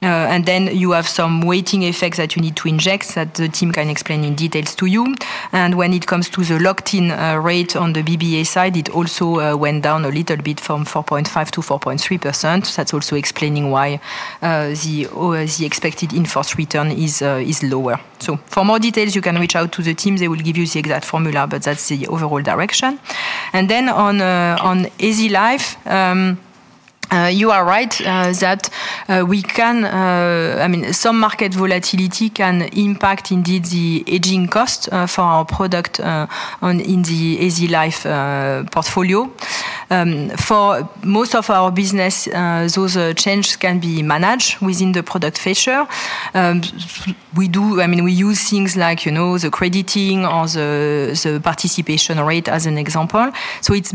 You have some weighting effects that you need to inject that the team can explain in detail to you. When it comes to the locked-in rate on the BBA side, it also went down a little bit from 4.5% to 4.3%. That is also explaining why the expected enforced return is lower. For more details, you can reach out to the team. They will give you the exact formula, but that is the overall direction. On AZ Life, you are right that we can, I mean, some market volatility can impact indeed the aging cost for our product in the AZ Life portfolio. For most of our business, those changes can be managed within the product feature. I mean, we use things like the crediting or the participation rate as an example.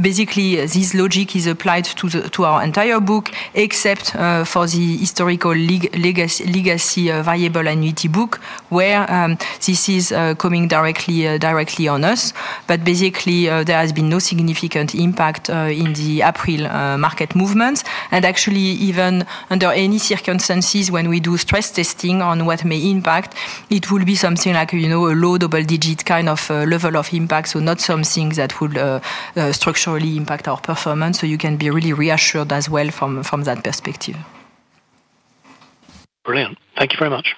Basically, this logic is applied to our entire book, except for the historical legacy variable annuity book, where this is coming directly on us. Basically, there has been no significant impact in the April market movement. Actually, even under any circumstances, when we do stress testing on what may impact, it will be something like a low double-digit kind of level of impact, so not something that would structurally impact our performance. You can be really reassured as well from that perspective. Brilliant. Thank you very much.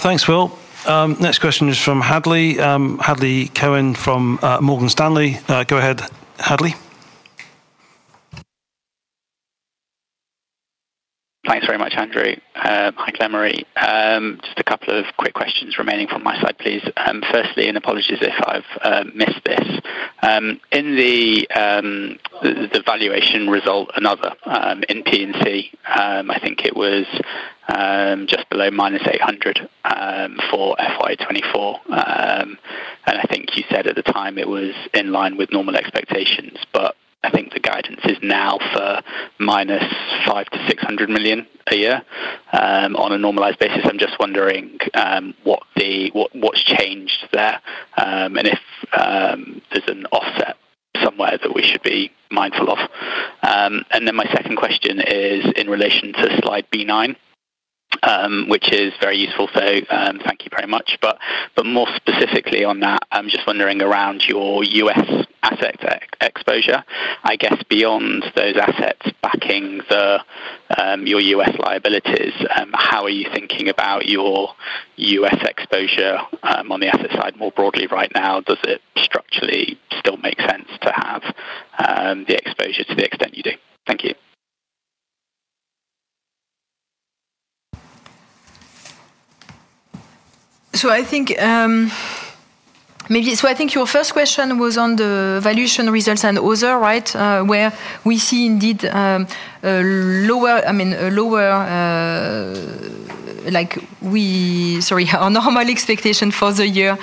Thanks, Will. Next question is from Hadley. Hadley Cohen from Morgan Stanley. Go ahead, Hadley. Thanks very much, Andrew. Hi, Claire-Marie. Just a couple of quick questions remaining from my side, please. Firstly, and apologies if I've missed this. In the valuation result, another in P&C, I think it was just below -800 million for full year 2024. I think you said at the time it was in line with normal expectations, but I think the guidance is now for -500 million--600 million a year on a normalized basis. I'm just wondering what's changed there and if there's an offset somewhere that we should be mindful of. My second question is in relation to slide B9, which is very useful, so thank you very much. More specifically on that, I'm just wondering around your U.S. asset exposure. I guess beyond those assets backing your U.S. liabilities, how are you thinking about your U.S. exposure on the asset side more broadly right now? Does it structurally still make sense to have the exposure to the extent you do? Thank you. I think your first question was on the valuation results and other, right, where we see indeed lower, I mean, lower, sorry, our normal expectation for the year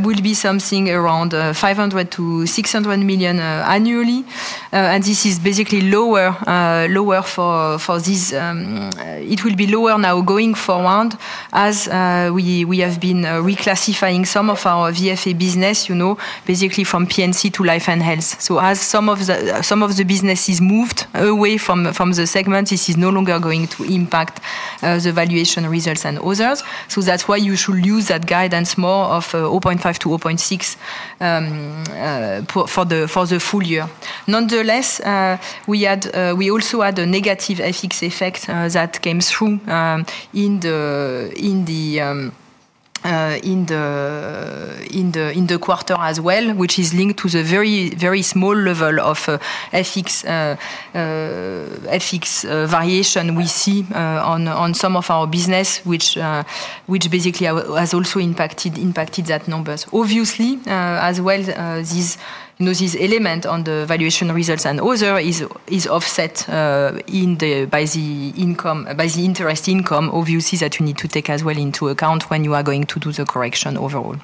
will be something around 500 million-600 million annually. This is basically lower for this. It will be lower now going forward as we have been reclassifying some of our VFA business, basically from property-casualty to Life and Health. As some of the businesses moved away from the segment, this is no longer going to impact the valuation results and others. That is why you should use that guidance more of 0.5 million-0.6 million for the full year. Nonetheless, we also had a negative FX effect that came through in the quarter as well, which is linked to the very small level of FX variation we see on some of our business, which basically has also impacted that number. Obviously, as well, this element on the valuation results and other is offset by the interest income, obviously, that you need to take as well into account when you are going to do the correction overall.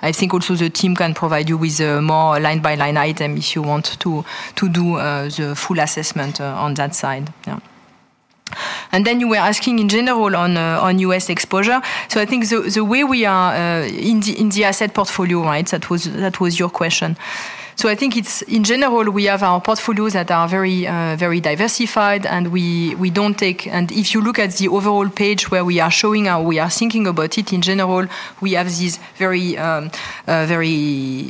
I think also the team can provide you with a more line-by-line item if you want to do the full assessment on that side. You were asking in general on U.S. exposure. I think the way we are in the asset portfolio, right, that was your question. I think in general, we have our portfolios that are very diversified, and we do not take, and if you look at the overall page where we are showing how we are thinking about it, in general, we have this very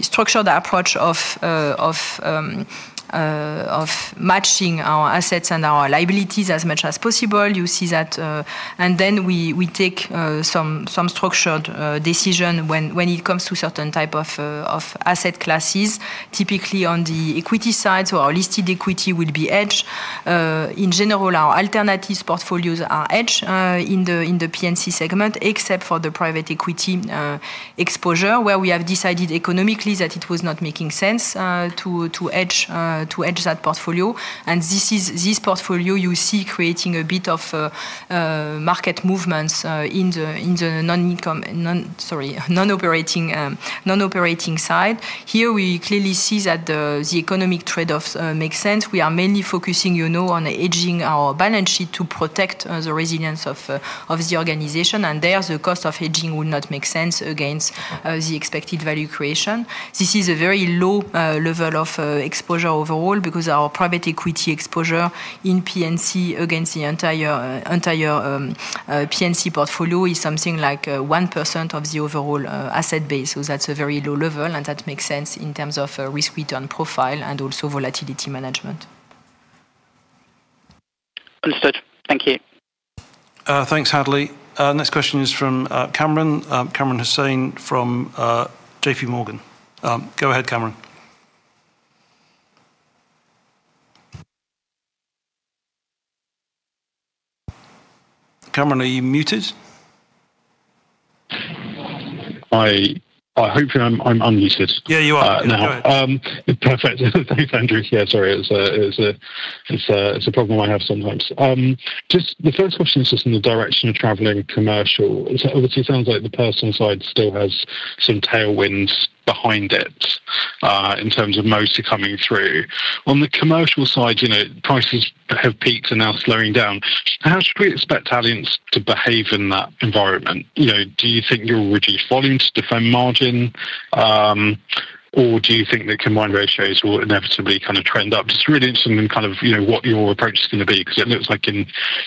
structured approach of matching our assets and our liabilities as much as possible. You see that. Then we take some structured decision when it comes to certain type of asset classes. Typically, on the equity side, our listed equity will be hedged. In general, our alternative portfolios are hedged in the P&C segment, except for the private equity exposure, where we have decided economically that it was not making sense to hedge that portfolio. This portfolio, you see, creates a bit of market movements in the non-operating side. Here, we clearly see that the economic trade-offs make sense. We are mainly focusing on hedging our balance sheet to protect the resilience of the organization. There, the cost of hedging will not make sense against the expected value creation. This is a very low level of exposure overall because our private equity exposure in P&C against the entire P&C portfolio is something like 1% of the overall asset base. That is a very low level, and that makes sense in terms of risk-return profile and also volatility management. Understood. Thank you. Thanks, Hadley. Next question is from Kamran. Kamran Hossain from JP Morgan. Go ahead, Kamran. Kamran, are you muted? I hope I'm unmuted. Yeah, you are. Perfect. Thanks, Andrew. Yeah, sorry. It's a problem I have sometimes. Just the first question is just in the direction of traveling Commercial. It obviously sounds like the personal side still has some tailwinds behind it in terms of mostly coming through. On the Commercial side, prices have peaked and now slowing down. How should we expect Allianz to behave in that environment? Do you think you'll reduce volume to defend margin, or do you think that combined ratios will inevitably kind of trend up? Just really interested in kind of what your approach is going to be because it looks like in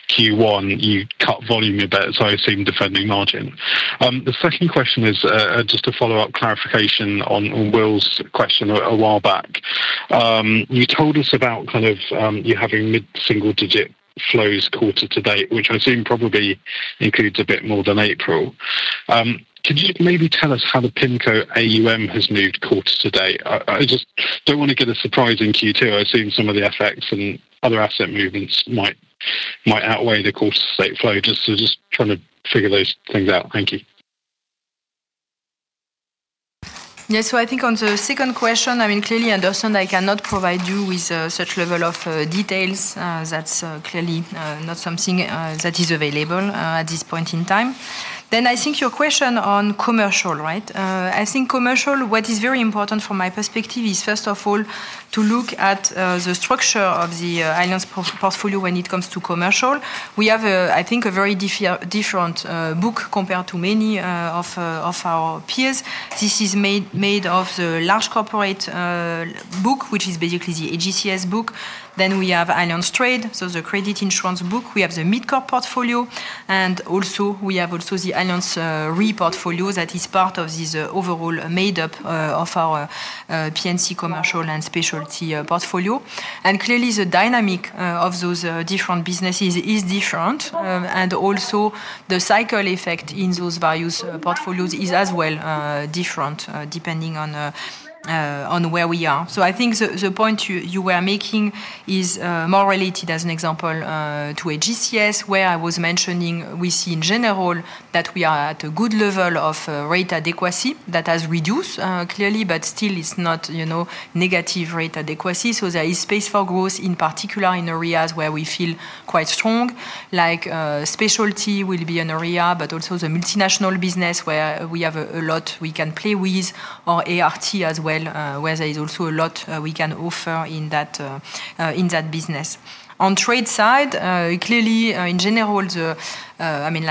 Q1, you cut volume a bit, so I assume defending margin. The second question is just a follow-up clarification on Will's question a while back. You told us about kind of you having mid-single-digit flows quarter to date, which I assume probably includes a bit more than April. Could you maybe tell us how the PIMCO AUM has moved quarter to date? I just don't want to get a surprising Q2. I assume some of the effects and other asset movements might outweigh the quarter-to-date flow. Just trying to figure those things out. Thank you. Yeah, I think on the second question, I mean, clearly, I understand I cannot provide you with such level of details. That's clearly not something that is available at this point in time. I think your question on Commercial, right? I think Commercial, what is very important from my perspective is, first of all, to look at the structure of the Allianz portfolio when it comes to Commercial. We have, I think, a very different book compared to many of our peers. This is made of the large corporate book, which is basically the AGCS book. We have Allianz Trade, so the credit insurance book. We have the mid-core portfolio. We have also the Allianz REIT portfolio that is part of this overall made-up of our P&C Commercial and specialty portfolio. Clearly, the dynamic of those different businesses is different. Also, the cycle effect in those values portfolios is as well different depending on where we are. I think the point you were making is more related, as an example, to AGCS, where I was mentioning we see in general that we are at a good level of rate adequacy that has reduced clearly, but still, it is not negative rate adequacy. There is space for growth, in particular in areas where we feel quite strong, like specialty will be an area, but also the multinational business where we have a lot we can play with, or ART as well, where there is also a lot we can offer in that business. On trade side, clearly, in general, I mean,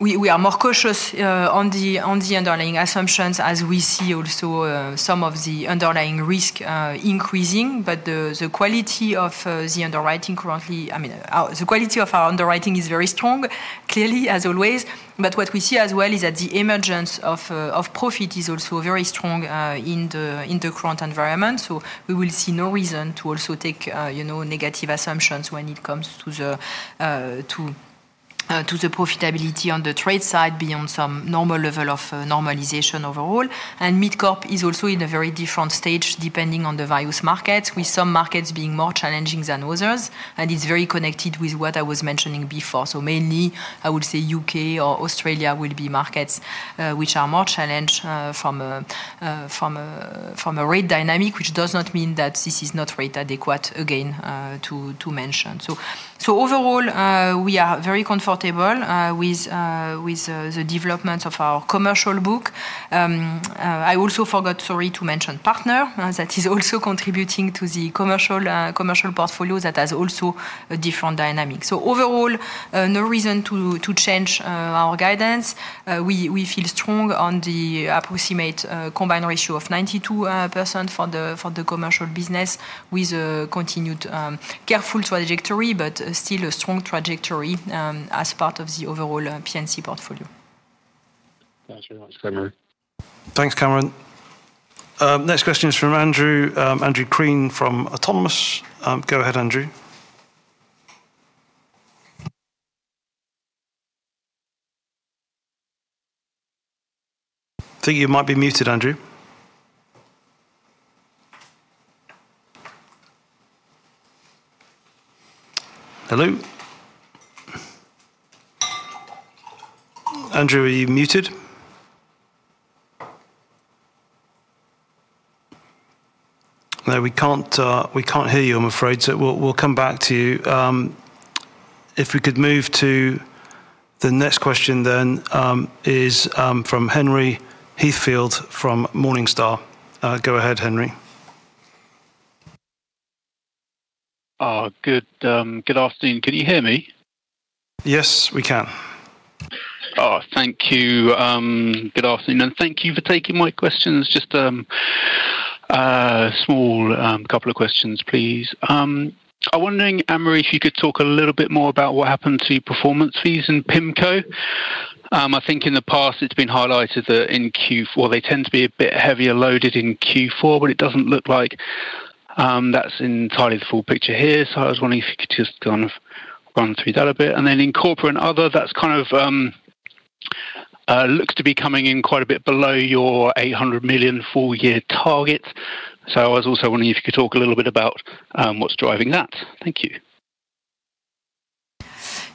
we are more cautious on the underlying assumptions as we see also some of the underlying risk increasing. The quality of the underwriting currently, I mean, the quality of our underwriting is very strong, clearly, as always. What we see as well is that the emergence of profit is also very strong in the current environment. We will see no reason to also take negative assumptions when it comes to the profitability on the trade side beyond some normal level of normalization overall. Mid-corp is also in a very different stage depending on the various markets, with some markets being more challenging than others. It is very connected with what I was mentioning before. Mainly, I would say U.K. or Australia will be markets which are more challenged from a rate dynamic, which does not mean that this is not rate adequate, again, to mention. Overall, we are very comfortable with the development of our Commercial book. I also forgot, sorry, to mention partner that is also contributing to the Commercial portfolio that has also a different dynamic. Overall, no reason to change our guidance. We feel strong on the approximate combined ratio of 92% for the Commercial business with a continued careful trajectory, but still a strong trajectory as part of the overall P&C portfolio. Thanks, Kamran. Thanks, Kamran. Next question is from Andrew, Andrew Crean from Autonomous. Go ahead, Andrew. I think you might be muted, Andrew. Hello? Andrew, are you muted? No, we can't hear you, I'm afraid. We'll come back to you. If we could move to the next question then, it is from Henry Heathfield from Morningstar. Go ahead, Henry. Good afternoon. Can you hear me? Yes, we can. Oh, thank you. Good afternoon. And thank you for taking my questions. Just a small couple of questions, please. I'm wondering, Marie, if you could talk a little bit more about what happened to performance fees in PIMCO. I think in the past, it has been highlighted that in Q4, they tend to be a bit heavier loaded in Q4, but it does not look like that is entirely the full picture here. I was wondering if you could just kind of run through that a bit. And then in Corporate and other, that kind of looks to be coming in quite a bit below your 800 million full-year target. I was also wondering if you could talk a little bit about what is driving that. Thank you.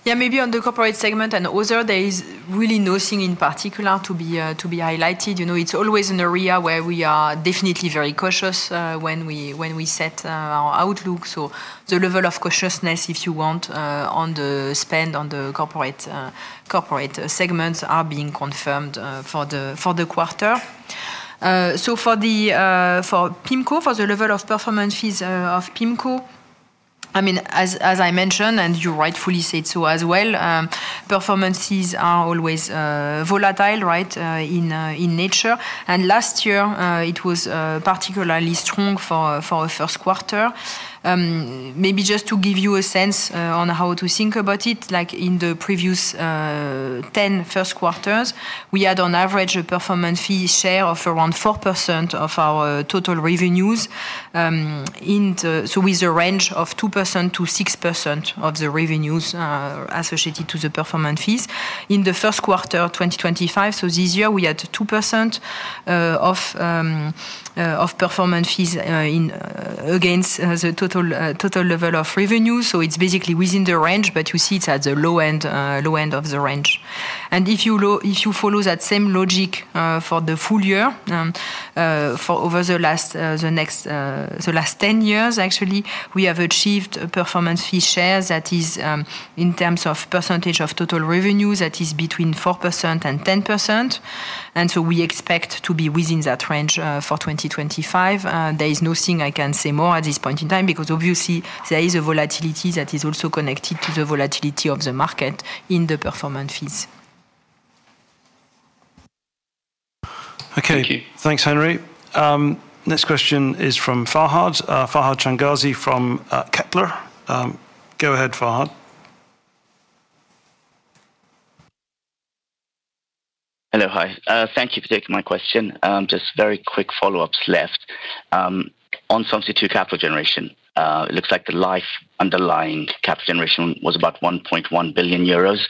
Yeah, maybe on the Corporate segment and other, there is really nothing in particular to be highlighted. It's always an area where we are definitely very cautious when we set our outlook. The level of cautiousness, if you want, on the spend on the corporate segments are being confirmed for the quarter. For PIMCO, for the level of performance fees of PIMCO, I mean, as I mentioned, and you rightfully said so as well, performances are always volatile, right, in nature. Last year, it was particularly strong for a first quarter. Maybe just to give you a sense on how to think about it, like in the previous 10 first quarters, we had on average a performance fee share of around 4% of our total revenues, with a range of 2%-6% of the revenues associated to the performance fees. In the first quarter 2025, so this year, we had 2% of performance fees against the total level of revenue. It is basically within the range, but you see it is at the low end of the range. If you follow that same logic for the full year, for over the next 10 years, actually, we have achieved a performance fee share that is in terms of percentage of total revenue, that is between 4%-10%. We expect to be within that range for 2025. There is nothing I can say more at this point in time because obviously, there is a volatility that is also connected to the volatility of the market in the performance fees. Okay. Thank you. Thanks, Henry. Next question is from Fahad. Fahad Changazi from Kepler. Go ahead, Fahad. Hello, hi. Thank you for taking my question. Just very quick follow-ups left. On substitute capital generation, it looks like the life underlying capital generation was about 1.1 billion euros.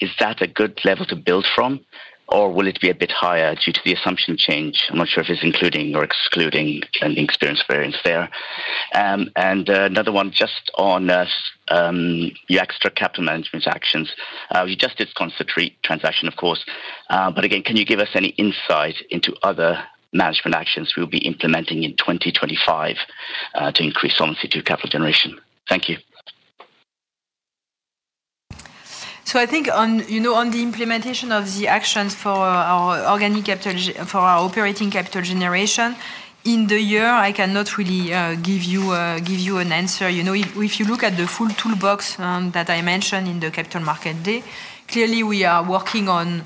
Is that a good level to build from, or will it be a bit higher due to the assumption change? I'm not sure if it's including or excluding any experience variance there. Another one, just on your extra capital management actions. You just did a concentrate transaction, of course. Again, can you give us any insight into other management actions we will be implementing in 2025 to increase solvency to capital generation? Thank you. I think on the implementation of the actions for our operating capital generation in the year, I cannot really give you an answer. If you look at the full toolbox that I mentioned in the capital market day, clearly, we are working on,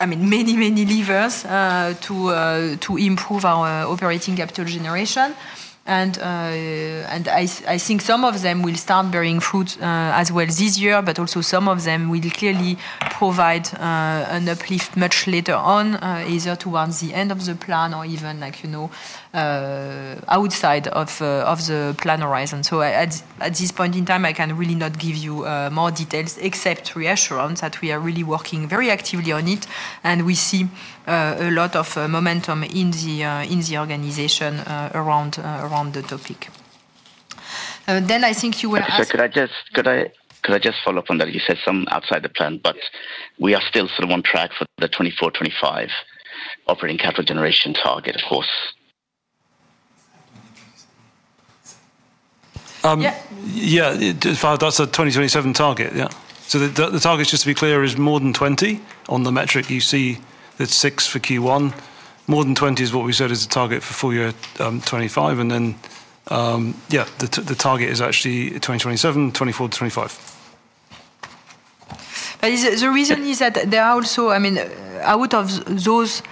I mean, many, many levers to improve our operating capital generation. I think some of them will start bearing fruit as well this year, but also some of them will clearly provide an uplift much later on, either towards the end of the plan or even outside of the plan horizon. At this point in time, I can really not give you more details except reassurance that we are really working very actively on it, and we see a lot of momentum in the organization around the topic. I think you were asking, could I just follow up on that? You said some outside the plan, but we are still sort of on track for the 2024-2025 operating capital generation target, of course. Yeah, that is a 2027 target, yeah. The target, just to be clear, is more than 20 on the metric you see, that is six for Q1. More than 20 is what we said is the target for full year 2025. Yeah, the target is actually 2027, 2024-2025. The reason is that there are also, I mean, out of those,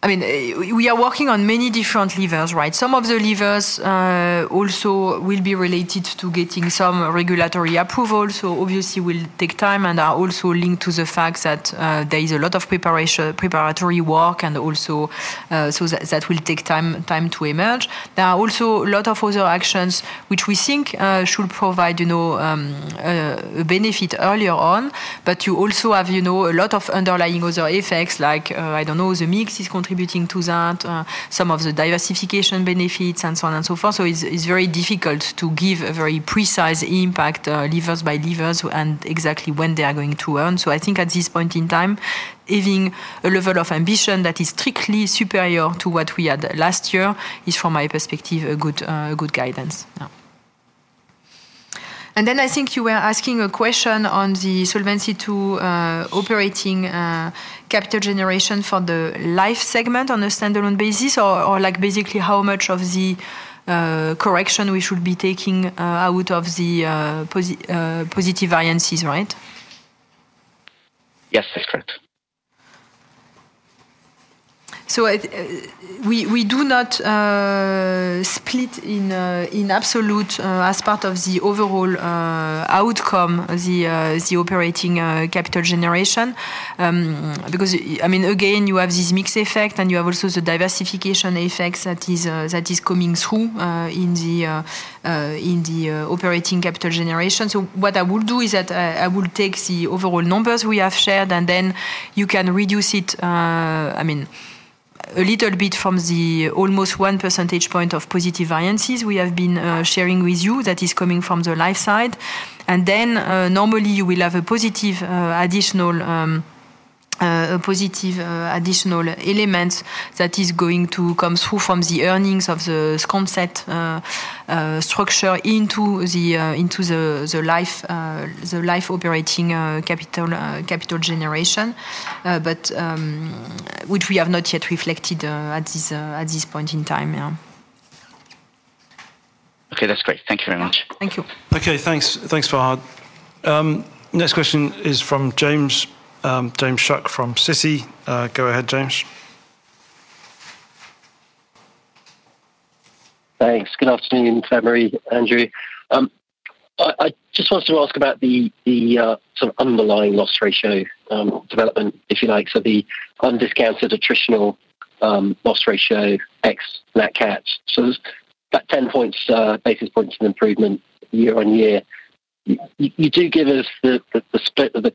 I mean, we are working on many different levers, right? Some of the levers also will be related to getting some regulatory approval. Obviously, it will take time and are also linked to the fact that there is a lot of preparatory work and also so that will take time to emerge. There are also a lot of other actions which we think should provide a benefit earlier on, but you also have a lot of underlying other effects like, I do not know, the mix is contributing to that, some of the diversification benefits, and so on and so forth. It is very difficult to give a very precise impact levers by levers and exactly when they are going to earn. I think at this point in time, having a level of ambition that is strictly superior to what we had last year is, from my perspective, a good guidance. I think you were asking a question on the solvency to operating capital generation for the life segment on a standalone basis, or basically how much of the correction we should be taking out of the positive variances, right? Yes, that's correct. We do not split in absolute as part of the overall outcome, the operating capital generation, because, I mean, again, you have these mixed effects and you have also the diversification effects that is coming through in the operating capital generation. What I will do is that I will take the overall numbers we have shared, and then you can reduce it, I mean, a little bit from the almost 1 percentage point of positive variances we have been sharing with you that is coming from the life side. Normally, you will have a positive additional element that is going to come through from the earnings of the scon-set structure into the life operating capital generation, which we have not yet reflected at this point in time. Okay, that's great. Thank you very much. Thank you. Okay, thanks. Thanks, Farhad. Next question is from James Shuck from Citi. Go ahead, James. Thanks. Good afternoon, Claire-Marie, Andrew. I just wanted to ask about the sort of underlying loss ratio development, if you like. The undiscounted attritional loss ratio X NatCat. That is 10 basis points of improvement year on year. You do give us the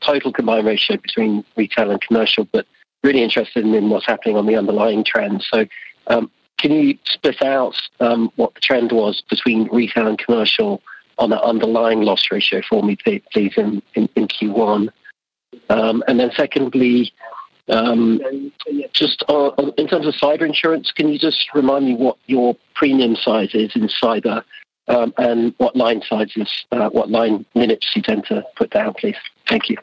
total combined ratio between Retail and Commercial, but really interested in what is happening on the underlying trend. Can you split out what the trend was between Retail and Commercial on the underlying loss ratio for me, please, in Q1? Secondly, just in terms of Cyber Insurance, can you just remind me what your premium size is in Cyber and what line sizes, what line minutes you tend to put down, please? Thank you.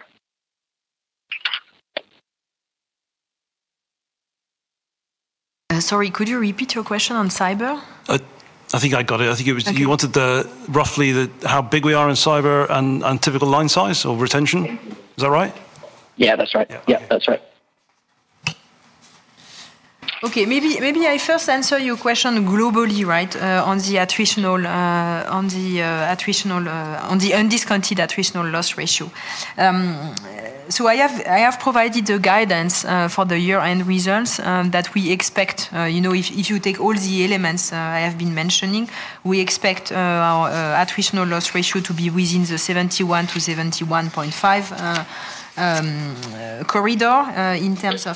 Sorry, could you repeat your question on Cyber? I think I got it. I think you wanted roughly how big we are in Cyber and typical line size or retention. Is that right? Yeah, that is right. Yeah, that is right. Okay, maybe I first answer your question globally, right, on the undiscounted attritional loss ratio. I have provided the guidance for the year-end results that we expect. If you take all the elements I have been mentioning, we expect our attritional loss ratio to be within the 71%-71.5% corridor in terms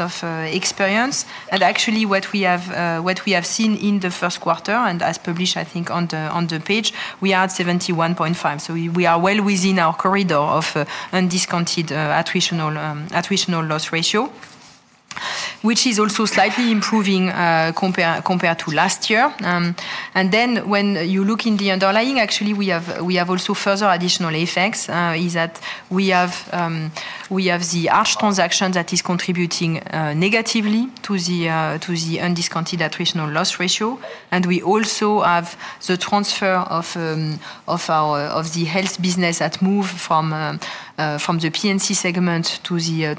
of experience. Actually, what we have seen in the first quarter and as published, I think, on the page, we are at 71.5%. We are well within our corridor of undiscounted attritional loss ratio, which is also slightly improving compared to last year. When you look in the underlying, actually, we have also further additional effects is that we have the Arch transaction that is contributing negatively to the undiscounted attritional loss ratio. We also have the transfer of the health business that moved from the property and casualty segment to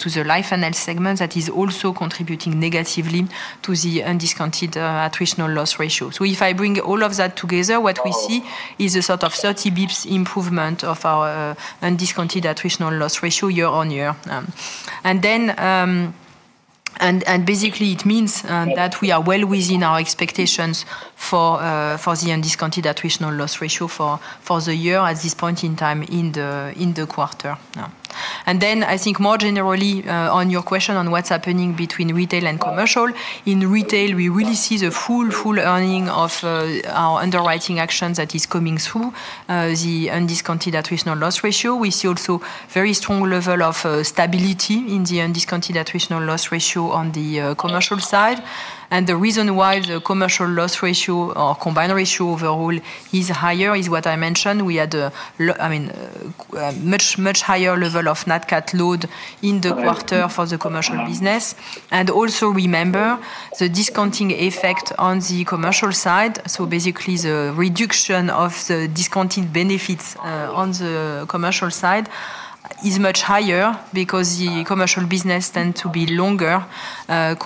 the Life and Health segment that is also contributing negatively to the undiscounted attritional loss ratio. If I bring all of that together, what we see is a sort of 30 basis points improvement of our undiscounted attritional loss ratio year on year. Basically, it means that we are well within our expectations for the undiscounted attritional loss ratio for the year at this point in time in the quarter. I think more generally on your question on what's happening between Retail and Commercial, in Retail, we really see the full, full earning of our underwriting actions that is coming through the undiscounted attritional loss ratio. We see also a very strong level of stability in the undiscounted attritional loss ratio on the Commercial side. The reason why the Commercial loss ratio or combined ratio overall is higher is what I mentioned. We had a much, much higher level of net cat load in the quarter for the Commercial business. Also remember the discounting effect on the Commercial side. Basically, the reduction of the discounted benefits on the Commercial side is much higher because the Commercial business tends to be longer, a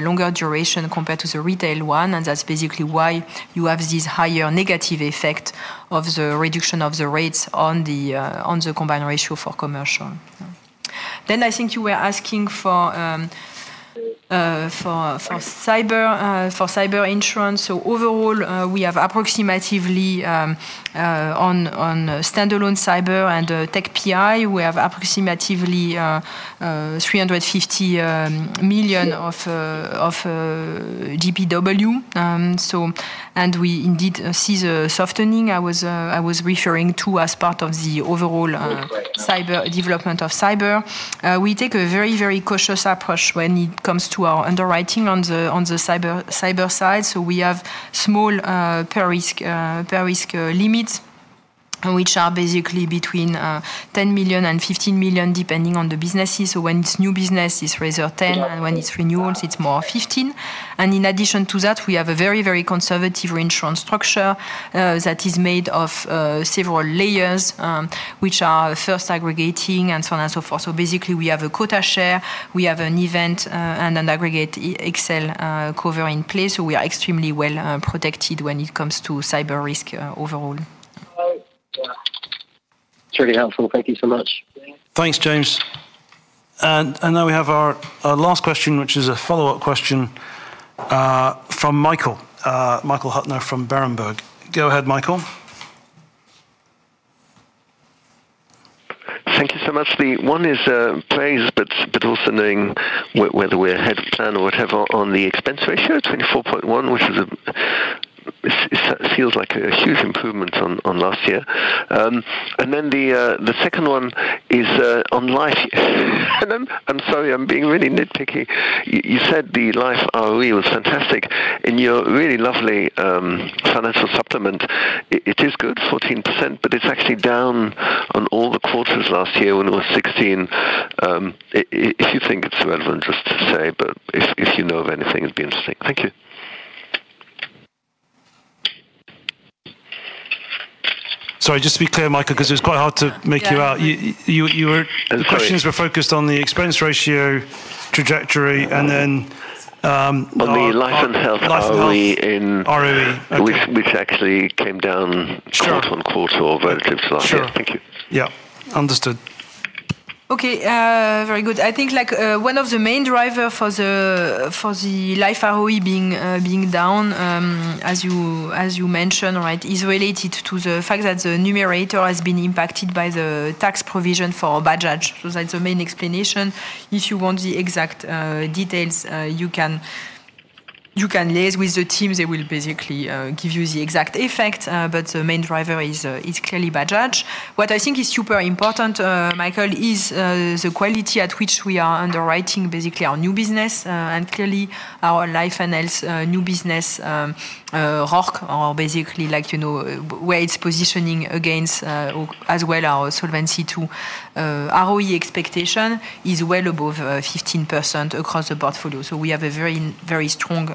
longer duration compared to the Retail one. That is basically why you have this higher negative effect of the reduction of the rates on the combined ratio for Commercial. I think you were asking for Cyber Insurance. Overall, we have approximately on standalone Cyber and Tech PI, we have approximately 350 million of GPW. We indeed see the softening I was referring to as part of the overall Cyber development of Cyber. We take a very, very cautious approach when it comes to our underwriting on the Cyber side. We have small per-risk limits, which are basically between 10 million and 15 million depending on the businesses. When it's new business, it's razor 10, and when it's renewals, it's more 15. In addition to that, we have a very, very conservative reinsurance structure that is made of several layers, which are first aggregating and so on and so forth. Basically, we have a quota share, we have an event, and an aggregate Excel cover in place. We are extremely well protected when it comes to Cyber risk overall. It's really helpful. Thank you so much. Thanks, James. Now we have our last question, which is a follow-up question from Michael, Michael Huttner from Berenberg. Go ahead, Michael. Thank you so much. The one is plays, but also knowing whether we're ahead of plan or whatever on the expense ratio, 24.1%, which feels like a huge improvement on last year. The second one is on life. I'm sorry, I'm being really nitpicky. You said the life RoE was fantastic in your really lovely financial supplement. It is good, 14%, but it's actually down on all the quarters last year when it was 16%. If you think it's relevant, just to say, but if you know of anything, it'd be interesting. Thank you. Sorry, just to be clear, Michael, because it was quite hard to make you out. The questions were focused on the expense ratio trajectory and then on the Life and Health RoE, which actually came down quarter on quarter or relative to life. Thank you. Yeah, understood. Okay, very good. I think one of the main drivers for the life RoE being down, as you mentioned, right, is related to the fact that the numerator has been impacted by the tax provision for badges. So that's the main explanation. If you want the exact details, you can liaise with the team. They will basically give you the exact effect, but the main driver is clearly badges. What I think is super important, Michael, is the quality at which we are underwriting basically our new business and clearly our Life and Health new business rock or basically where it's positioning against as well our solvency to RoE expectation is well above 15% across the portfolio. We have a very, very strong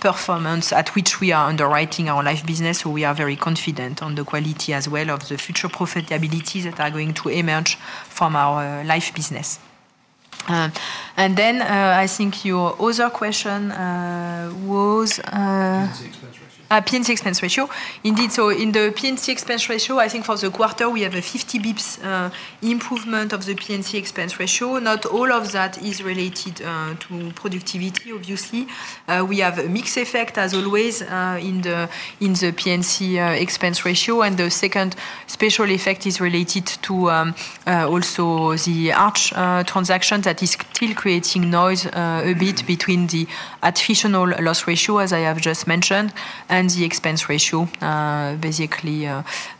performance at which we are underwriting our life business. We are very confident on the quality as well of the future profitability that are going to emerge from our life business. I think your other question was P&C expense ratio. Indeed, in the P&C expense ratio, I think for the quarter, we have a 50 basis points improvement of the P&C expense ratio. Not all of that is related to productivity, obviously. We have a mixed effect, as always, in the P&C expense ratio. The second special effect is related to also the Arch transaction that is still creating noise a bit between the attritional loss ratio, as I have just mentioned, and the expense ratio basically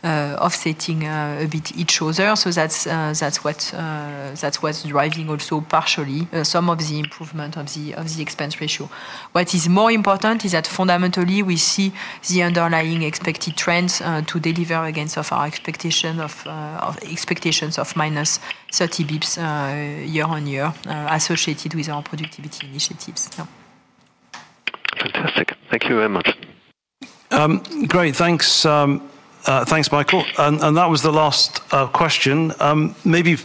offsetting a bit each other. That is what is driving also partially some of the improvement of the expense ratio. What is more important is that fundamentally we see the underlying expected trends to deliver against our expectations of -30 basis points year on year associated with our productivity initiatives. Fantastic. Thank you very much. Great. Thanks, Michael. That was the last question. Maybe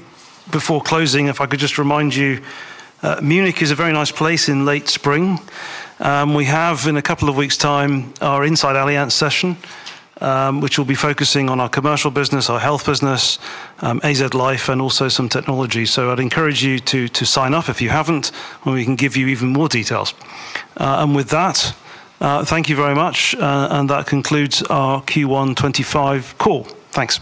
before closing, if I could just remind you, Munich is a very nice place in late spring. We have in a couple of weeks' time our Inside Allianz session, which will be focusing on our Commercial business, our Health business, AZ Life, and also some technology. I would encourage you to sign up if you have not, and we can give you even more details. With that, thank you very much, and that concludes our Q1 2025 call. Thanks.